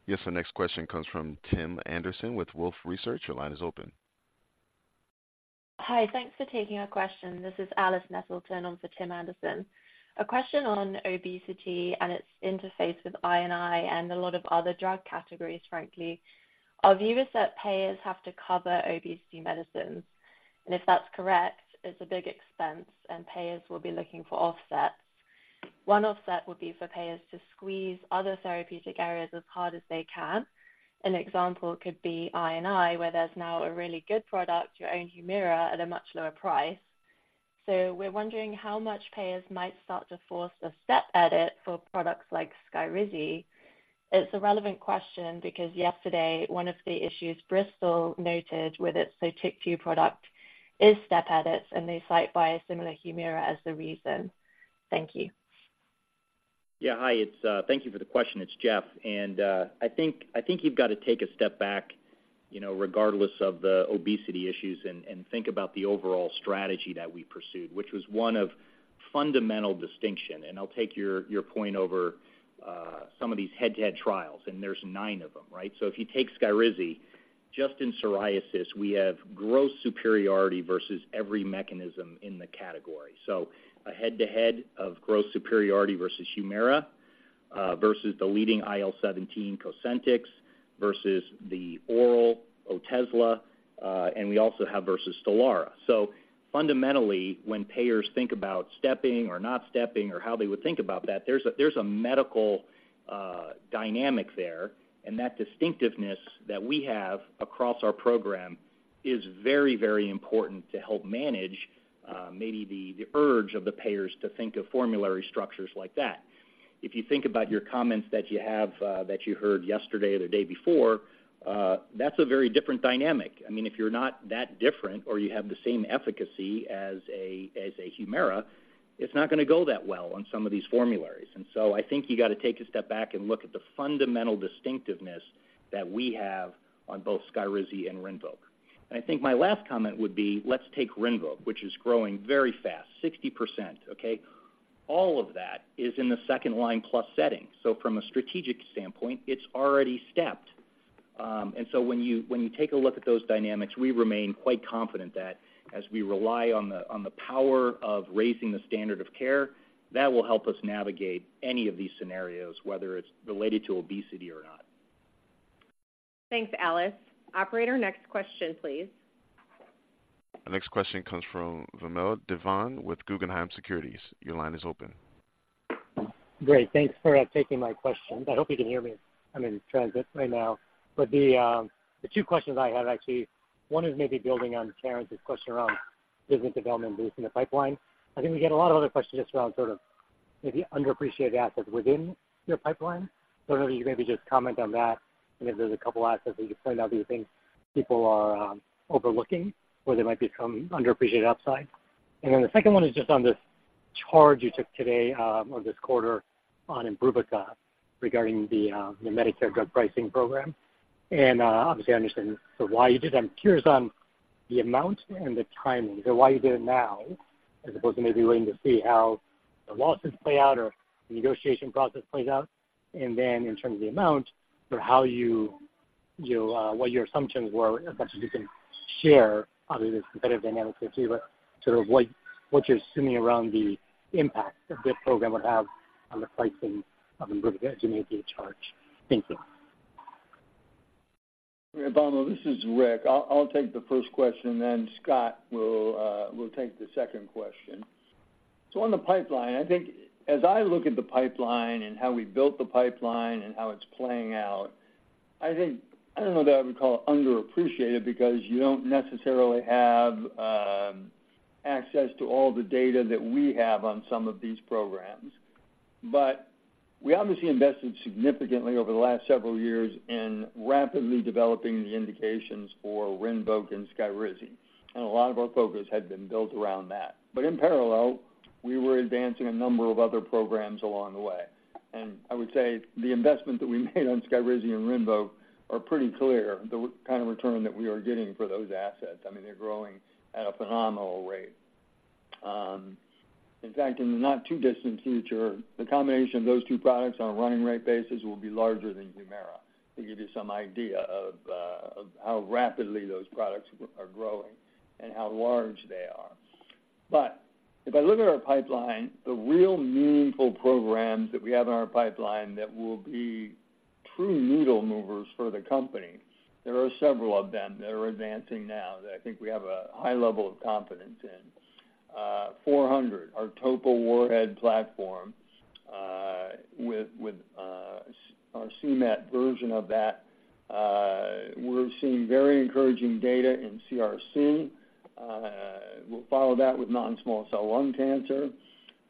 Yes, the next question comes from Tim Anderson with Wolfe Research. Your line is open. Hi, thanks for taking our question. This is Alice Nettleton on for Tim Anderson. A question on obesity and its interface with I&I and a lot of other drug categories, frankly. Our viewers said payers have to cover obesity medicines, and if that's correct, it's a big expense, and payers will be looking for offsets... One offset would be for payers to squeeze other therapeutic areas as hard as they can. An example could be I and I, where there's now a really good product, your own Humira, at a much lower price. So we're wondering how much payers might start to force a step edit for products like SKYRIZI. It's a relevant question because yesterday, one of the issues Bristol noted with its Sotyktu product is step edits, and they cite biosimilar Humira as the reason. Thank you. Yeah, hi, it's thank you for the question. It's Jeff. And I think, I think you've got to take a step back, you know, regardless of the obesity issues, and think about the overall strategy that we pursued, which was one of fundamental distinction. And I'll take your point over some of these head-to-head trials, and there's 9 of them, right? So if you take SKYRIZI, just in psoriasis, we have gross superiority versus every mechanism in the category. So a head-to-head of gross superiority versus Humira, versus the leading IL-17 Cosentyx, versus the oral Otezla, and we also have versus STELARA. So fundamentally, when payers think about stepping or not stepping or how they would think about that, there's a medical dynamic there. That distinctiveness that we have across our program is very, very important to help manage, maybe the, the urge of the payers to think of formulary structures like that. If you think about your comments that you have, that you heard yesterday or the day before, that's a very different dynamic. I mean, if you're not that different or you have the same efficacy as a, as a Humira, it's not gonna go that well on some of these formularies. And so I think you got to take a step back and look at the fundamental distinctiveness that we have on both SKYRIZI and RINVOQ. And I think my last comment would be, let's take RINVOQ, which is growing very fast, 60%, okay? All of that is in the second line plus setting. So from a strategic standpoint, it's already stepped. And so when you take a look at those dynamics, we remain quite confident that as we rely on the power of raising the standard of care, that will help us navigate any of these scenarios, whether it's related to obesity or not. Thanks, Alice. Operator, next question, please. The next question comes from Vamil Divan with Guggenheim Securities. Your line is open. Great, thanks for taking my question. I hope you can hear me. I'm in transit right now. But the two questions I had, actually, one is maybe building on Karen's question around business development based in the pipeline. I think we get a lot of other questions just around sort of maybe underappreciated assets within your pipeline. So I don't know if you could maybe just comment on that, and if there's a couple of assets that you could point out that you think people are overlooking, or there might be some underappreciated upside. And then the second one is just on this charge you took today on this quarter on IMBRUVICA, regarding the Medicare drug pricing program. And obviously, I understand sort of why you did that. I'm curious on the amount and the timing, so why you did it now, as opposed to maybe waiting to see how the lawsuits play out or the negotiation process plays out. And then in terms of the amount, sort of how you what your assumptions were, as much as you can share, obviously, there's competitive dynamics there, too, but sort of what you're assuming around the impact that this program would have on the pricing of IMBRUVICA as you made the charge. Thank you. Vamil, this is Rick. I'll take the first question, then Scott will take the second question. So on the pipeline, I think as I look at the pipeline and how we built the pipeline and how it's playing out, I think... I don't know that I would call it underappreciated because you don't necessarily have access to all the data that we have on some of these programs. But we obviously invested significantly over the last several years in rapidly developing the indications for RINVOQ and SKYRIZI, and a lot of our focus had been built around that. But in parallel, we were advancing a number of other programs along the way. And I would say the investment that we made on SKYRIZI and RINVOQ are pretty clear, the kind of return that we are getting for those assets. I mean, they're growing at a phenomenal rate. In fact, in the not too distant future, the combination of those two products on a running rate basis will be larger than Humira, to give you some idea of how rapidly those products are growing and how large they are. But if I look at our pipeline, the real meaningful programs that we have in our pipeline that will be true needle movers for the company, there are several of them that are advancing now that I think we have a high level of confidence in. ABBV-400, our topo warhead platform, with our c-Met version of that, we're seeing very encouraging data in CRC. We'll follow that with non-small cell lung cancer.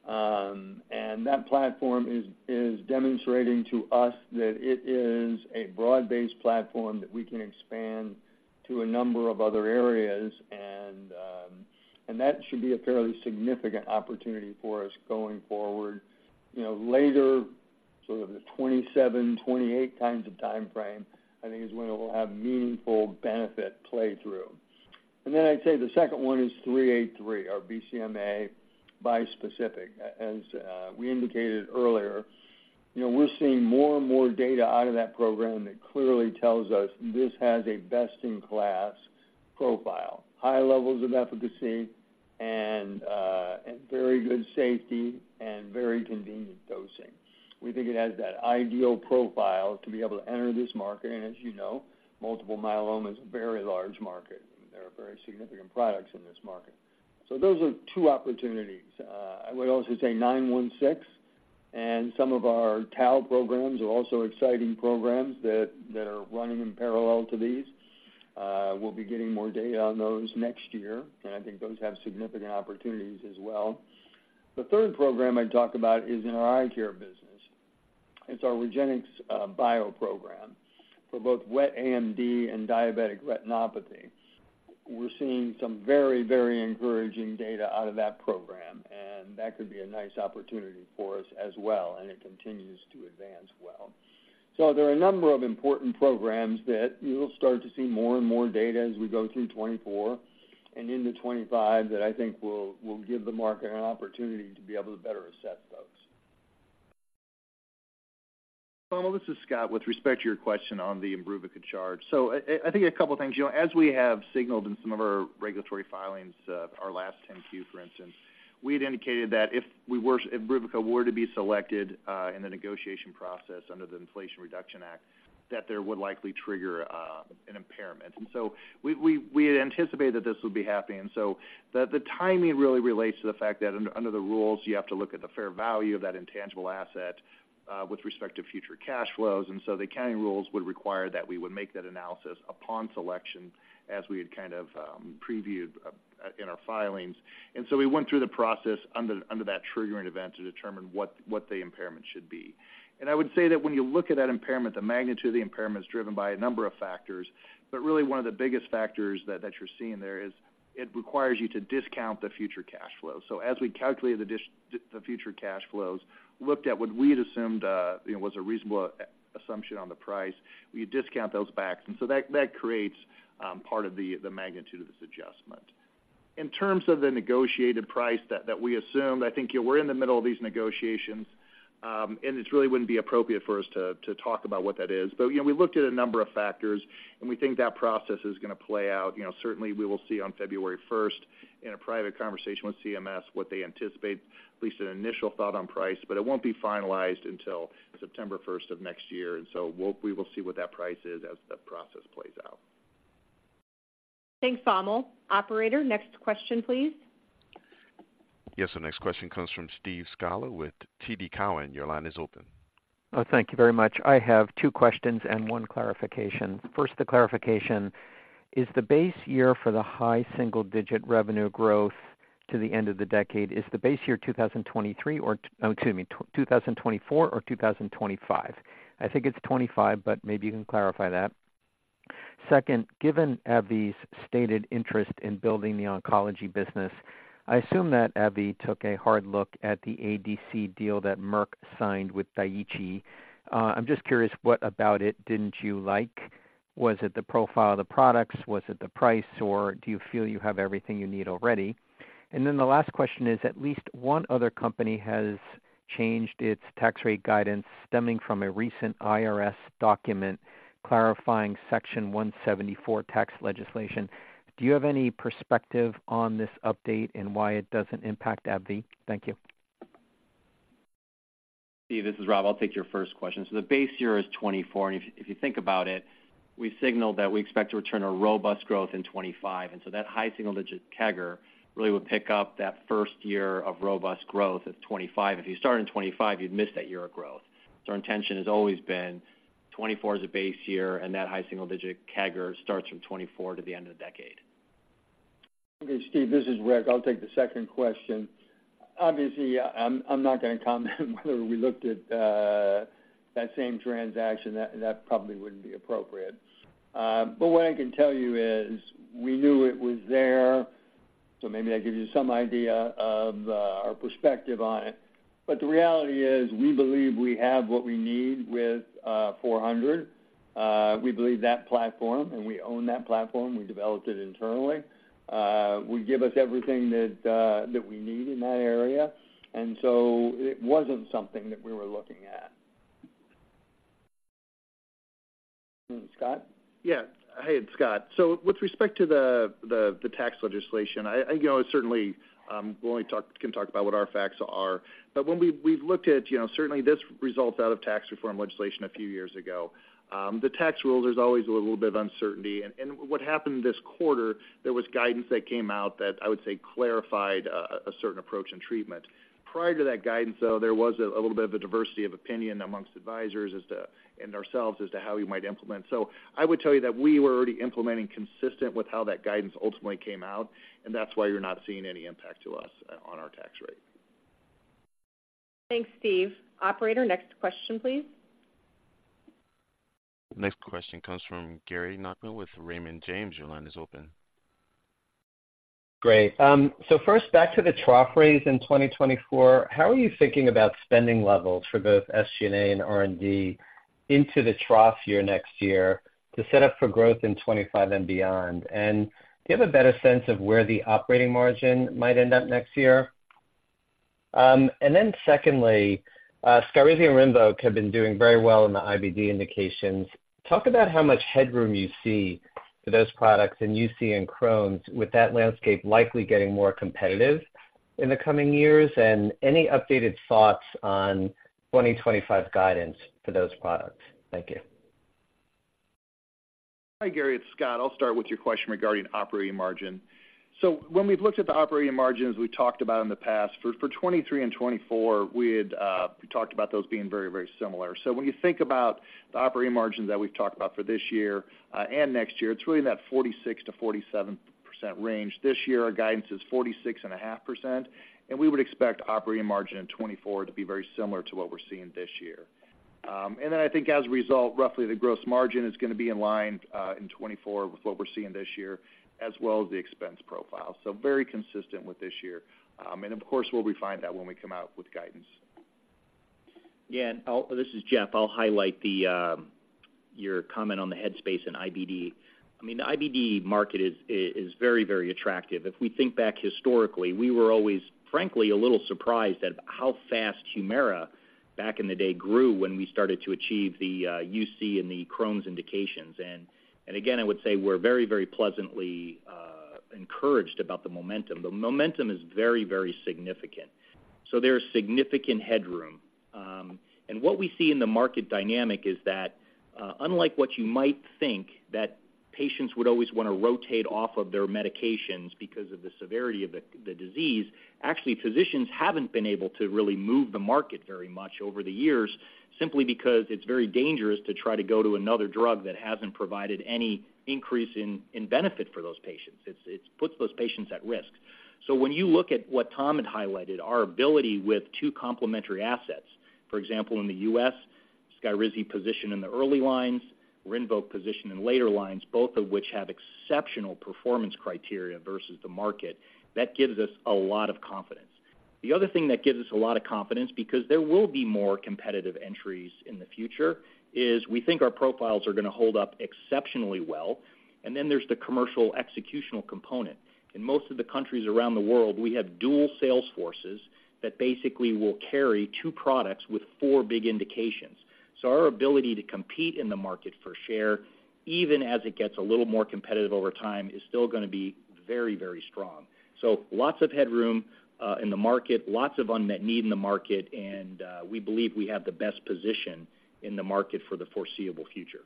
And that platform is demonstrating to us that it is a broad-based platform that we can expand to a number of other areas, and, and that should be a fairly significant opportunity for us going forward. You know, later, sort of the 27, 28 kinds of timeframe, I think is when it will have meaningful benefit play through. And then I'd say the second one is 383, our BCMA bispecific. As, we indicated earlier, you know, we're seeing more and more data out of that program that clearly tells us this has a best-in-class profile, high levels of efficacy and, and very good safety and very convenient dosing. We think it has that ideal profile to be able to enter this market, and as you know, multiple myeloma is a very large market... very significant products in this market. So those are two opportunities. I would also say 916 and some of our tau programs are also exciting programs that are running in parallel to these. We'll be getting more data on those next year, and I think those have significant opportunities as well. The third program I'd talk about is in our eye care business. It's our REGENXBIO program for both wet AMD and diabetic retinopathy. We're seeing some very, very encouraging data out of that program, and that could be a nice opportunity for us as well, and it continues to advance well. So there are a number of important programs that you'll start to see more and more data as we go through 2024 and into 2025, that I think will give the market an opportunity to be able to better assess those. Well, this is Scott. With respect to your question on the IMBRUVICA charge. I think a couple of things. You know, as we have signaled in some of our regulatory filings, our last 10-Q, for instance, we had indicated that if we were—if IMBRUVICA were to be selected in the negotiation process under the Inflation Reduction Act, that would likely trigger an impairment. We had anticipated that this would be happening. The timing really relates to the fact that under the rules, you have to look at the fair value of that intangible asset with respect to future cash flows. The accounting rules would require that we would make that analysis upon selection, as we had kind of previewed in our filings. And so we went through the process under that triggering event to determine what the impairment should be. And I would say that when you look at that impairment, the magnitude of the impairment is driven by a number of factors. But really, one of the biggest factors that you're seeing there is it requires you to discount the future cash flow. So as we calculate the future cash flows, looked at what we had assumed, you know, was a reasonable assumption on the price, we discount those back, and so that creates part of the magnitude of this adjustment. In terms of the negotiated price that we assumed, I think we're in the middle of these negotiations, and it really wouldn't be appropriate for us to talk about what that is. But, you know, we looked at a number of factors, and we think that process is gonna play out. You know, certainly we will see on February first in a private conversation with CMS, what they anticipate, at least an initial thought on price, but it won't be finalized until September 1st of next year. And so we will see what that price is as the process plays out. Thanks, Tom. Operator, next question, please. Yes, the next question comes from Steve Scala with TD Cowen. Your line is open. Thank you very much. I have two questions and one clarification. First, the clarification: Is the base year for the high single-digit revenue growth to the end of the decade? Is the base year 2023 or, excuse me, 2024 or 2025? I think it's 25, but maybe you can clarify that. Second, given AbbVie's stated interest in building the oncology business, I assume that AbbVie took a hard look at the ADC deal that Merck signed with Daiichi. I'm just curious, what about it didn't you like? Was it the profile of the products? Was it the price, or do you feel you have everything you need already? And then the last question is, at least one other company has changed its tax rate guidance stemming from a recent IRS document clarifying Section 174 tax legislation. Do you have any perspective on this update and why it doesn't impact AbbVie? Thank you. Steve, this is Rob. I'll take your first question. So the base year is 2024, and if you think about it, we signaled that we expect to return a robust growth in 2025, and so that high single-digit CAGR really would pick up that first year of robust growth at 2025. If you start in 2025, you'd miss that year of growth. So our intention has always been 2024 is a base year, and that high single-digit CAGR starts from 2024 to the end of the decade. Okay, Steve, this is Rick. I'll take the second question. Obviously, I'm not gonna comment whether we looked at that same transaction. That probably wouldn't be appropriate. What I can tell you is, we knew it was there, so maybe that gives you some idea of our perspective on it. The reality is, we believe we have what we need with 400. We believe that platform, and we own that platform, we developed it internally, would give us everything that we need in that area, and it wasn't something that we were looking at. Scott? Yeah. Hey, it's Scott. So with respect to the tax legislation, I, you know, certainly we can only talk about what our facts are. But when we've looked at, you know, certainly this results out of tax reform legislation a few years ago. The tax rules, there's always a little bit of uncertainty. And what happened this quarter, there was guidance that came out that I would say clarified a certain approach and treatment. Prior to that guidance, though, there was a little bit of a diversity of opinion among advisors as to, and ourselves, as to how we might implement. So I would tell you that we were already implementing consistent with how that guidance ultimately came out, and that's why you're not seeing any impact to us on our tax rate. Thanks, Steve. Operator, next question, please. Next question comes from Gary Nachman with Raymond James. Your line is open. Great. So first, back to the trough raise in 2024. How are you thinking about spending levels for both SG&A and R&D into the trough year next year to set up for growth in 2025 and beyond? And do you have a better sense of where the operating margin might end up next year? And then secondly, SKYRIZI and RINVOQ have been doing very well in the IBD indications. Talk about how much headroom you see for those products and you see in Crohn's, with that landscape likely getting more competitive in the coming years, and any updated thoughts on 2025 guidance for those products? Thank you. Hi, Gary, it's Scott. I'll start with your question regarding operating margin. So when we've looked at the operating margins, we've talked about in the past, for, for 2023 and 2024, we had, we talked about those being very, very similar. So when you think about the operating margins that we've talked about for this year, and next year, it's really in that 46%-47% range. This year, our guidance is 46.5%, and we would expect operating margin in 2024 to be very similar to what we're seeing this year. And then I think as a result, roughly the gross margin is gonna be in line, in 2024 with what we're seeing this year, as well as the expense profile. So very consistent with this year. And of course, we'll refine that when we come out with guidance. Yeah, and I'll... This is Jeff. I'll highlight the your comment on the headspace in IBD. I mean, the IBD market is, is very, very attractive. If we think back historically, we were always, frankly, a little surprised at how fast Humira, back in the day, grew when we started to achieve the UC and the Crohn's indications. And, and again, I would say we're very, very pleasantly encouraged about the momentum. The momentum is very, very significant. So there's significant headroom. And what we see in the market dynamic is that, unlike what you might think, that patients would always wanna rotate off of their medications because of the severity of the disease, actually, physicians haven't been able to really move the market very much over the years, simply because it's very dangerous to try to go to another drug that hasn't provided any increase in benefit for those patients. It's, it puts those patients at risk. So when you look at what Tom had highlighted, our ability with two complementary assets, for example, in the U.S., SKYRIZI positioned in the early lines, RINVOQ positioned in later lines, both of which have exceptional performance criteria versus the market, that gives us a lot of confidence. The other thing that gives us a lot of confidence, because there will be more competitive entries in the future, is we think our profiles are gonna hold up exceptionally well, and then there's the commercial executional component. In most of the countries around the world, we have dual sales forces that basically will carry two products with four big indications. So our ability to compete in the market for share, even as it gets a little more competitive over time, is still gonna be very, very strong. So lots of headroom in the market, lots of unmet need in the market, and we believe we have the best position in the market for the foreseeable future.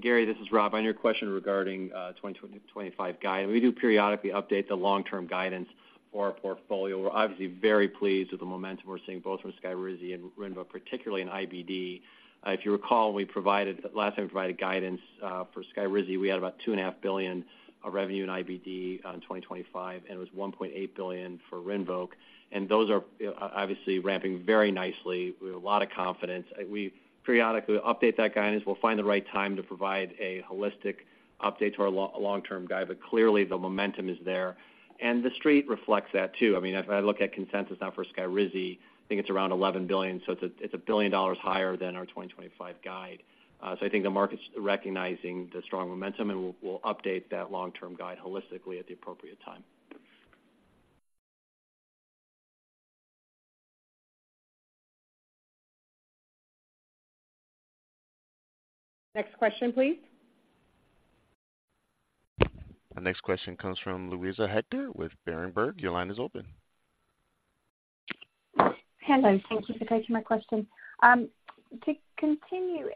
Gary, this is Rob. On your question regarding 2025 guide, we do periodically update the long-term guidance for our portfolio. We're obviously very pleased with the momentum we're seeing, both from SKYRIZI and RINVOQ, particularly in IBD. If you recall, last time we provided guidance for SKYRIZI, we had about $2.5 billion of revenue in IBD on 2025, and it was $1.8 billion for RINVOQ. And those are obviously ramping very nicely. We have a lot of confidence. We periodically update that guidance. We'll find the right time to provide a holistic update to our long-term guide, but clearly, the momentum is there, and the street reflects that, too. I mean, if I look at consensus now for SKYRIZI, I think it's around $11 billion, so it's a billion dollars higher than our 2025 guide. So I think the market's recognizing the strong momentum, and we'll update that long-term guide holistically at the appropriate time. Next question, please. Our next question comes from Louisa Hector with Berenberg. Your line is open. Hello, thank you for taking my question. To continue,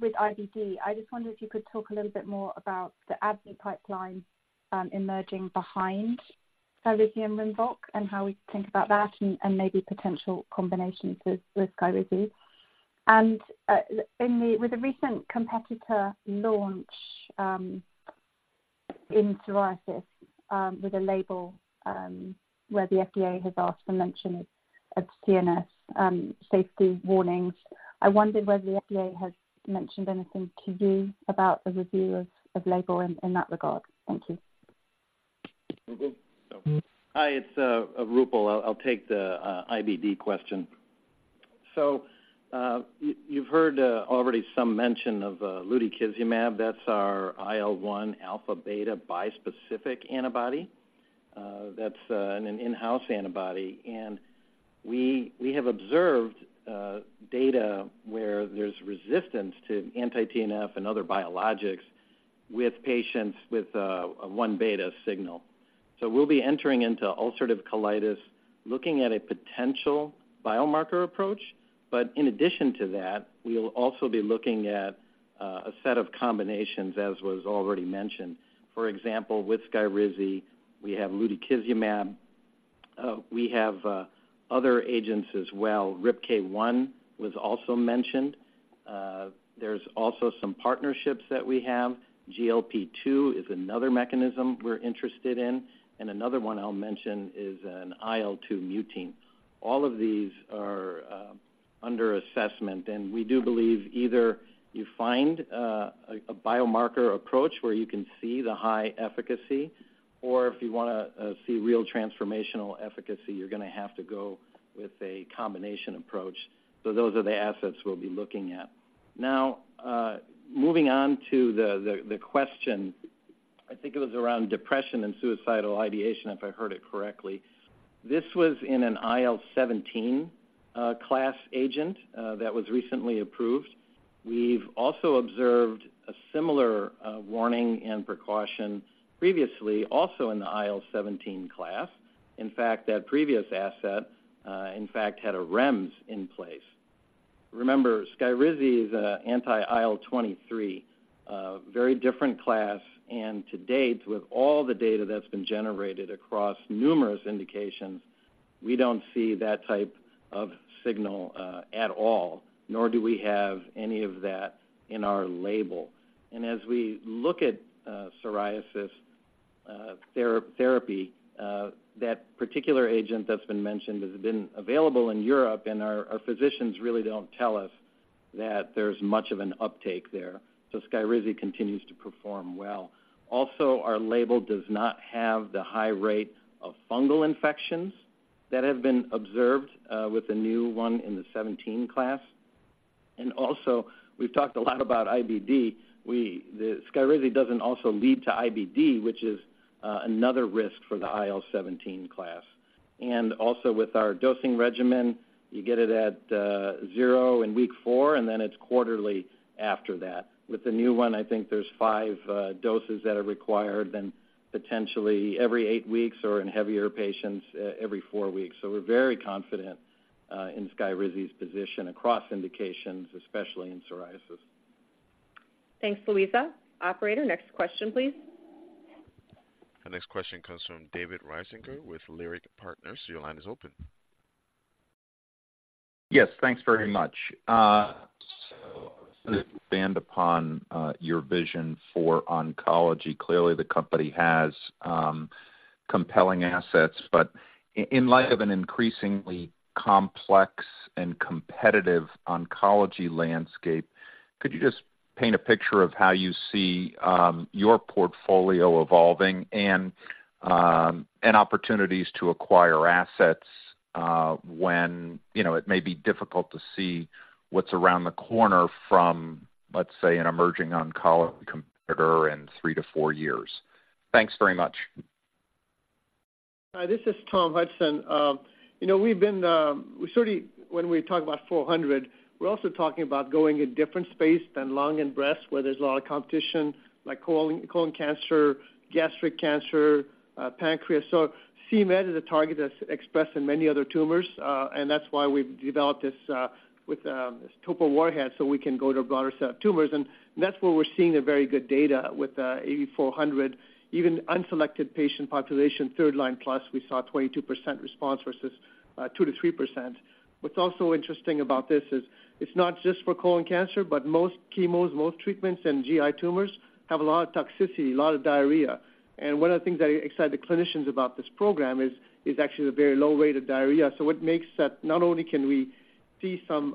with IBD, I just wondered if you could talk a little bit more about the IBD pipeline, emerging behind SKYRIZI and RINVOQ, and how we think about that and, and maybe potential combinations with, with SKYRIZI. And, with a recent competitor launch, in psoriasis, with a label, where the FDA has asked to mention it at CNS, safety warnings, I wondered whether the FDA has mentioned anything to you about the review of, of label in, in that regard. Thank you. Hi, it's Roopal. I'll take the IBD question. So you've heard already some mention of lutikizumab. That's our IL-1 alpha beta bispecific antibody. That's an in-house antibody, and we have observed data where there's resistance to anti-TNF and other biologics with patients with a one beta signal. So we'll be entering into ulcerative colitis, looking at a potential biomarker approach. But in addition to that, we'll also be looking at a set of combinations, as was already mentioned. For example, with SKYRIZI, we have lutikizumab. We have other agents as well. RIPK1 was also mentioned. There's also some partnerships that we have. GLP-2 is another mechanism we're interested in, and another one I'll mention is an IL-2 mutein. All of these are under assessment, and we do believe either you find a biomarker approach where you can see the high efficacy, or if you wanna see real transformational efficacy, you're gonna have to go with a combination approach. So those are the assets we'll be looking at. Now, moving on to the question, I think it was around depression and suicidal ideation, if I heard it correctly. This was in an IL-17 class agent that was recently approved.... We've also observed a similar warning and precaution previously, also in the IL-17 class. In fact, that previous asset, in fact, had a REMS in place. Remember, SKYRIZI is an anti-IL-23, a very different class, and to date, with all the data that's been generated across numerous indications, we don't see that type of signal at all, nor do we have any of that in our label. As we look at psoriasis therapy, that particular agent that's been mentioned has been available in Europe, and our physicians really don't tell us that there's much of an uptake there. SKYRIZI continues to perform well. Also, our label does not have the high rate of fungal infections that have been observed with the new one in the 17 class. We've talked a lot about IBD. SKYRIZI doesn't also lead to IBD, which is another risk for the IL-17 class. And also with our dosing regimen, you get it at zero in week four, and then it's quarterly after that. With the new one, I think there's five doses that are required, then potentially every eight weeks or in heavier patients, every four weeks. So we're very confident in SKYRIZI's position across indications, especially in psoriasis. Thanks, Louisa. Operator, next question, please. The next question comes from David Risinger with Leerink Partners. Your line is open. Yes, thanks very much. So expand upon your vision for oncology. Clearly, the company has compelling assets, but in light of an increasingly complex and competitive oncology landscape, could you just paint a picture of how you see your portfolio evolving and opportunities to acquire assets when, you know, it may be difficult to see what's around the corner from, let's say, an emerging oncology competitor in three to four years? Thanks very much. Hi, this is Tom Hudson. You know, we've been, we certainly, when we talk about ABBV-400, we're also talking about going a different space than lung and breast, where there's a lot of competition, like colon, colon cancer, gastric cancer, pancreas. So c-Met is a target that's expressed in many other tumors, and that's why we've developed this, with this topo warhead, so we can go to a broader set of tumors. And that's where we're seeing a very good data with ABBV-400, even unselected patient population, third line, plus we saw 22% response versus 2%-3%. What's also interesting about this is it's not just for colon cancer, but most chemos, most treatments and GI tumors have a lot of toxicity, a lot of diarrhea. One of the things that excite the clinicians about this program is actually the very low rate of diarrhea. So it makes that not only can we see some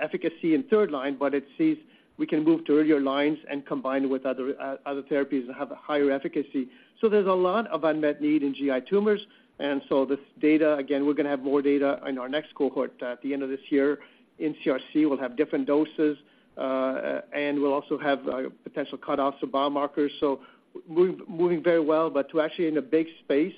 efficacy in third line, but it sees we can move to earlier lines and combine it with other other therapies that have a higher efficacy. So there's a lot of unmet need in GI tumors, and so this data, again, we're gonna have more data in our next cohort at the end of this year. In CRC, we'll have different doses, and we'll also have potential cutoffs for biomarkers. So moving very well, but to actually in a big space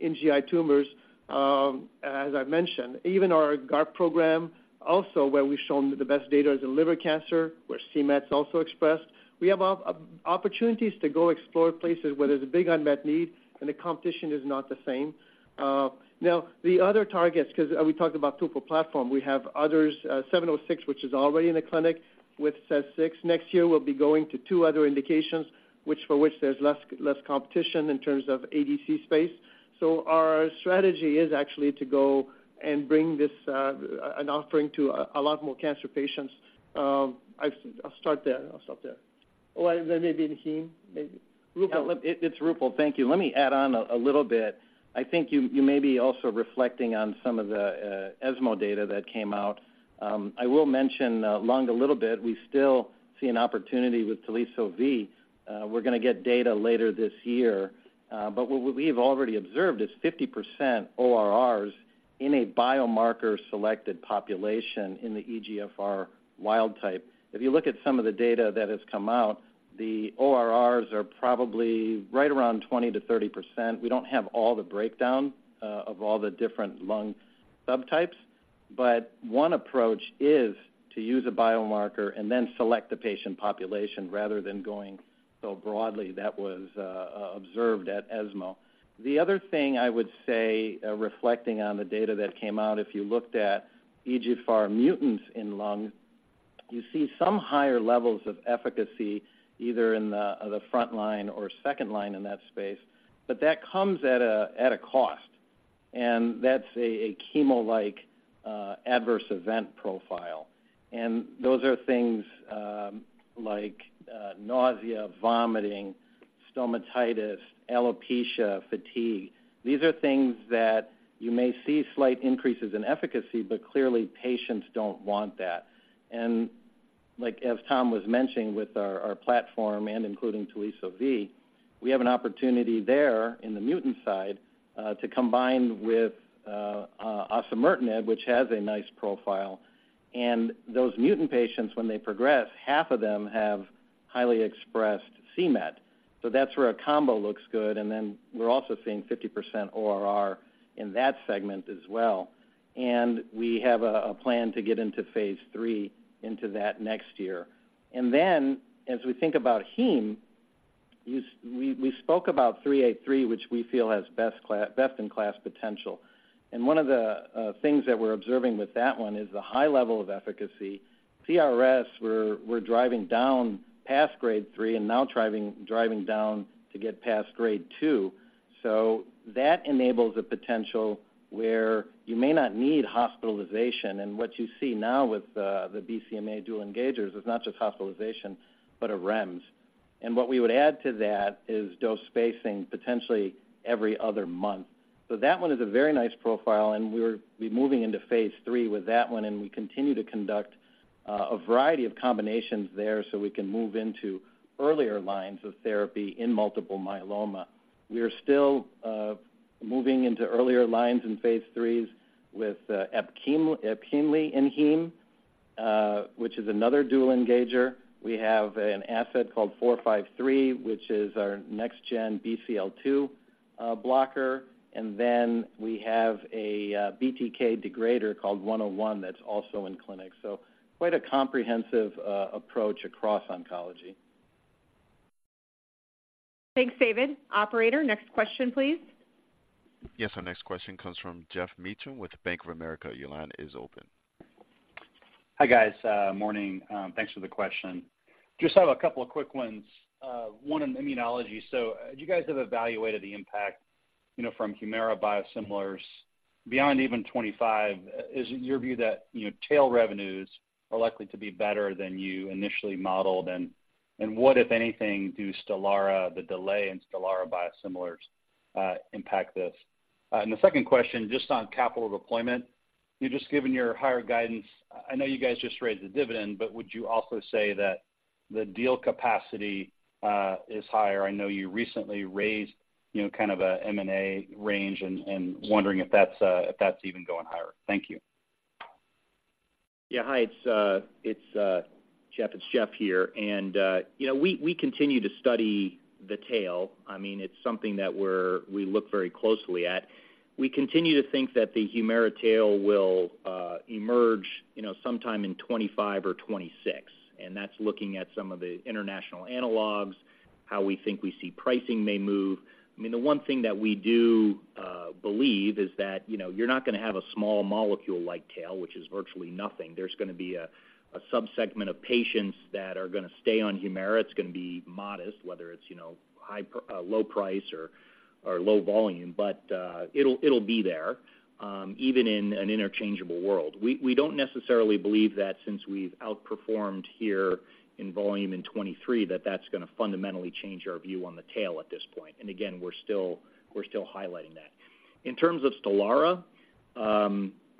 in GI tumors, as I mentioned, even our GARP program, also where we've shown the best data is in liver cancer, where c-Met is also expressed. We have opportunities to go explore places where there's a big unmet need and the competition is not the same. Now, the other targets, 'cause we talked about topo platform. We have others, 706, which is already in the clinic with SEZ6. Next year, we'll be going to two other indications, for which there's less, less competition in terms of ADC space. Our strategy is actually to go and bring this, an offering to a lot more cancer patients. I've-- I'll start there. I'll stop there. Well, then maybe Heme, maybe Roopal. It's Roopal. Thank you. Let me add on a little bit. I think you may be also reflecting on some of the ESMO data that came out. I will mention lung a little bit. We still see an opportunity with Teliso-V. We're gonna get data later this year, but what we've already observed is 50% ORRs in a biomarker selected population in the EGFR wild type. If you look at some of the data that has come out, the ORRs are probably right around 20%-30%. We don't have all the breakdown of all the different lung subtypes, but one approach is to use a biomarker and then select the patient population rather than going so broadly. That was observed at ESMO. The other thing I would say, reflecting on the data that came out, if you looked at EGFR mutants in lung, you see some higher levels of efficacy, either in the front line or second line in that space, but that comes at a cost, and that's a chemo-like adverse event profile. And those are things like nausea, vomiting, stomatitis, alopecia, fatigue. These are things that you may see slight increases in efficacy, but clearly, patients don't want that. And like, as Tom was mentioning with our platform and including Teliso-V, we have an opportunity there in the mutant side to combine with osimertinib, which has a nice profile. And those mutant patients, when they progress, half of them have highly expressed c-Met. So that's where our combo looks good, and then we're also seeing 50% ORR in that segment as well. And we have a plan to get into phase III into that next year. And then, as we think about Heme, we spoke about 383, which we feel has best-in-class potential. And one of the things that we're observing with that one is the high level of efficacy. CRS, we're driving down past grade three and now driving down to get past grade two. So that enables a potential where you may not need hospitalization. And what you see now with the BCMA dual engagers is not just hospitalization, but a REMS. And what we would add to that is dose spacing, potentially every other month. So that one is a very nice profile, and we're moving into phase III with that one, and we continue to conduct a variety of combinations there, so we can move into earlier lines of therapy in multiple myeloma. We are still moving into earlier lines in phase IIIs with EPKINLY in heme, which is another dual engager. We have an asset called 453, which is our next-gen BCL-2 blocker. And then we have a BTK degrader called 101, that's also in clinic. So quite a comprehensive approach across oncology. Thanks, David. Operator, next question, please. Yes, our next question comes from Jeff Meacham with Bank of America. Your line is open. Hi, guys, morning. Thanks for the question. Just have a couple of quick ones, one in immunology. So do you guys have evaluated the impact, you know, from Humira biosimilars beyond even 25? Is it your view that, you know, tail revenues are likely to be better than you initially modeled? And what, if anything, do STELARA, the delay in STELARA biosimilars, impact this? And the second question, just on capital deployment. You've just given your higher guidance. I know you guys just raised the dividend, but would you also say that the deal capacity is higher? I know you recently raised, you know, kind of a M&A range and wondering if that's, if that's even going higher. Thank you. Yeah, hi, it's Jeff here. And, you know, we continue to study the tail. I mean, it's something that we look very closely at. We continue to think that the Humira tail will emerge, you know, sometime in 2025 or 2026, and that's looking at some of the international analogs, how we think we see pricing may move. I mean, the one thing that we do believe is that, you know, you're not gonna have a small molecule-like tail, which is virtually nothing. There's gonna be a subsegment of patients that are gonna stay on Humira. It's gonna be modest, whether it's, you know, high low price or low volume, but it'll be there, even in an interchangeable world. We don't necessarily believe that since we've outperformed here in volume in 2023, that that's gonna fundamentally change our view on the tail at this point. And again, we're still highlighting that. In terms of STELARA,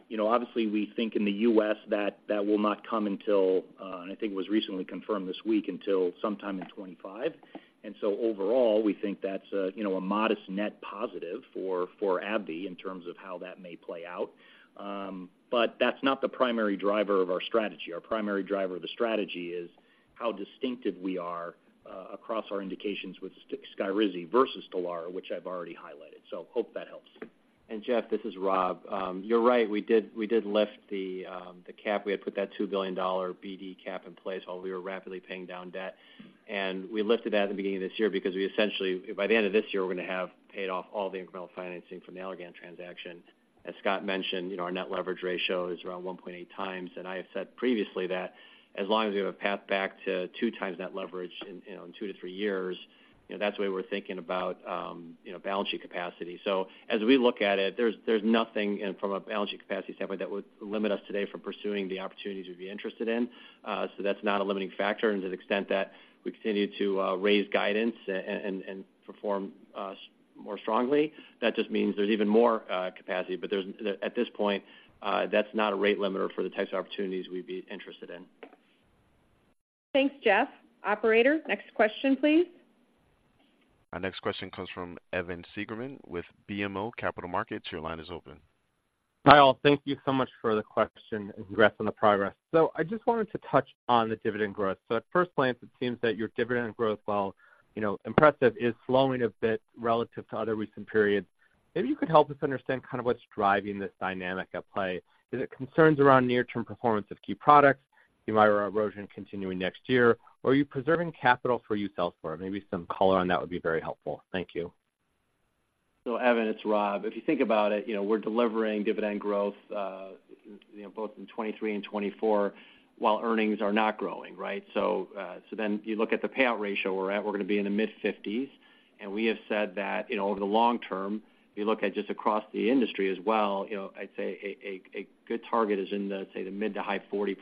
you know, obviously, we think in the U.S. that, that will not come until, and I think it was recently confirmed this week, until sometime in 2025. And so overall, we think that's a, you know, a modest net positive for, for AbbVie in terms of how that may play out. But that's not the primary driver of our strategy. Our primary driver of the strategy is how distinctive we are, across our indications with SKYRIZI versus STELARA, which I've already highlighted. So hope that helps. Jeff, this is Rob. You're right, we did lift the cap. We had put that $2 billion BD cap in place while we were rapidly paying down debt. We lifted that at the beginning of this year because we essentially... By the end of this year, we're gonna have paid off all the incremental financing from the Allergan transaction. As Scott mentioned, you know, our net leverage ratio is around 1.8x, and I have said previously that as long as we have a path back to 2x net leverage in two, three years, you know, that's the way we're thinking about, you know, balance sheet capacity. So as we look at it, there's nothing in from a balance sheet capacity standpoint that would limit us today from pursuing the opportunities we'd be interested in. So that's not a limiting factor. And to the extent that we continue to raise guidance and perform more strongly, that just means there's even more capacity. But there's at this point, that's not a rate limiter for the types of opportunities we'd be interested in. Thanks, Jeff. Operator, next question, please. Our next question comes from Evan Seigerman with BMO Capital Markets. Your line is open. Hi, all. Thank you so much for the question and congrats on the progress. So I just wanted to touch on the dividend growth. So at first glance, it seems that your dividend growth, while, you know, impressive, is slowing a bit relative to other recent periods. Maybe you could help us understand kind of what's driving this dynamic at play. Is it concerns around near-term performance of key products, Humira erosion continuing next year, or are you preserving capital for use elsewhere? Maybe some color on that would be very helpful. Thank you. So, Evan, it's Rob. If you think about it, you know, we're delivering dividend growth, you know, both in 2023 and 2024, while earnings are not growing, right? So, so then you look at the payout ratio we're at, we're gonna be in the mid-50s%. And we have said that, you know, over the long term, if you look at just across the industry as well, you know, I'd say a good target is in the, say, the mid- to high 40%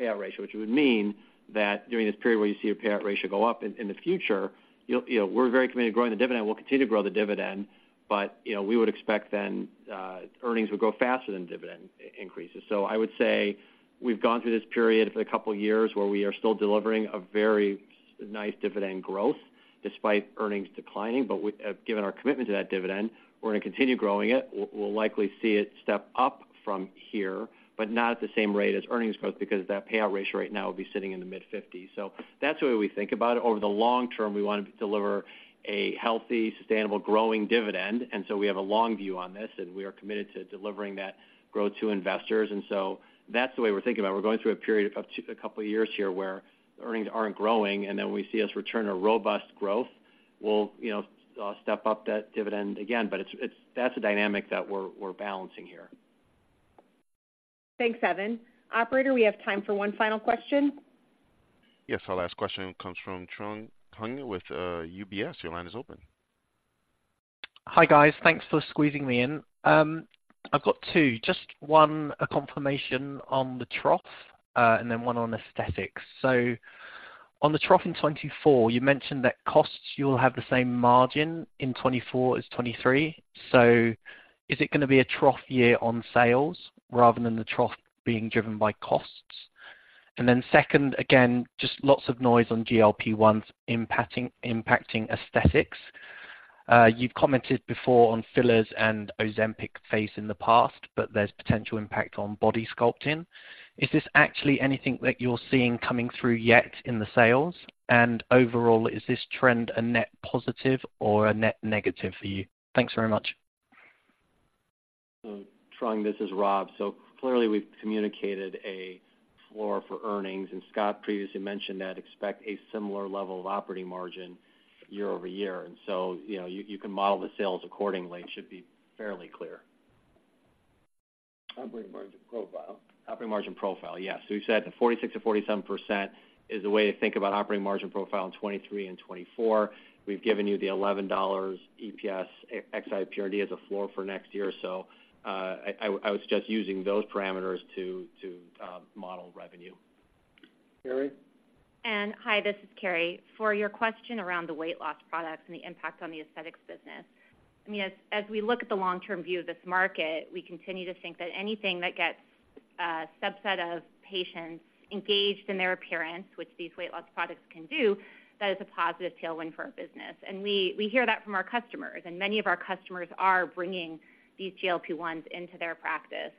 payout ratio, which would mean that during this period where you see your payout ratio go up in the future, you'll, you know, we're very committed to growing the dividend, and we'll continue to grow the dividend. But, you know, we would expect then, earnings would grow faster than dividend increases. So I would say we've gone through this period for a couple of years where we are still delivering a very nice dividend growth... despite earnings declining, but we, given our commitment to that dividend, we're gonna continue growing it. We'll, we'll likely see it step up from here, but not at the same rate as earnings growth, because that payout ratio right now will be sitting in the mid-fifties. So that's the way we think about it. Over the long term, we wanna deliver a healthy, sustainable, growing dividend, and so we have a long view on this, and we are committed to delivering that growth to investors. And so that's the way we're thinking about it. We're going through a period of up to a couple of years here, where earnings aren't growing, and then we see us return a robust growth. We'll, you know, step up that dividend again, but it's—that's a dynamic that we're balancing here. Thanks, Evan. Operator, we have time for one final question. Yes, our last question comes from Trung Huynh with UBS. Your line is open. Hi, guys. Thanks for squeezing me in. I've got two, just one, a confirmation on the trough, and then one on aesthetics. So on the trough in 2024, you mentioned that costs, you'll have the same margin in 2024 as 2023. So is it gonna be a trough year on sales rather than the trough being driven by costs? And then second, again, just lots of noise on GLP-1s impacting aesthetics. You've commented before on fillers and Ozempic face in the past, but there's potential impact on body sculpting. Is this actually anything that you're seeing coming through yet in the sales? And overall, is this trend a net positive or a net negative for you? Thanks very much. So, Trung, this is Rob. So clearly, we've communicated a floor for earnings, and Scott previously mentioned that expect a similar level of operating margin year over year. And so, you know, you can model the sales accordingly. It should be fairly clear. Operating margin profile. Operating margin profile, yes. So we've said the 46%-47% is the way to think about operating margin profile in 2023 and 2024. We've given you the $11 EPS ex-NYSE as a floor for next year. So, I would suggest using those parameters to model revenue. Carrie? Hi, this is Carrie. For your question around the weight loss products and the impact on the aesthetics business, I mean, as we look at the long-term view of this market, we continue to think that anything that gets a subset of patients engaged in their appearance, which these weight loss products can do, that is a positive tailwind for our business. And we hear that from our customers, and many of our customers are bringing these GLP-1s into their practice,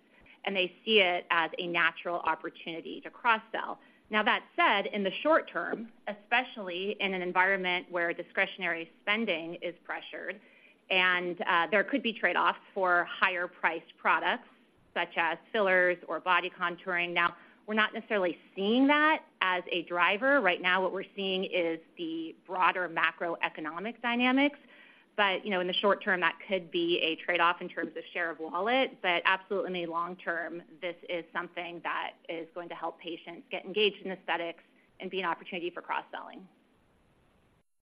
and they see it as a natural opportunity to cross-sell. Now, that said, in the short term, especially in an environment where discretionary spending is pressured and there could be trade-offs for higher-priced products, such as fillers or body contouring. Now, we're not necessarily seeing that as a driver. Right now, what we're seeing is the broader macroeconomic dynamics, but, you know, in the short term, that could be a trade-off in terms of share of wallet. But absolutely in the long term, this is something that is going to help patients get engaged in aesthetics and be an opportunity for cross-selling.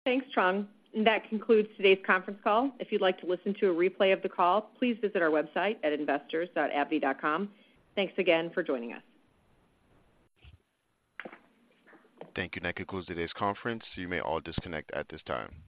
Thanks, Trung. And that concludes today's conference call. If you'd like to listen to a replay of the call, please visit our website at investors.abbvie.com. Thanks again for joining us. Thank you. That concludes today's conference. You may all disconnect at this time.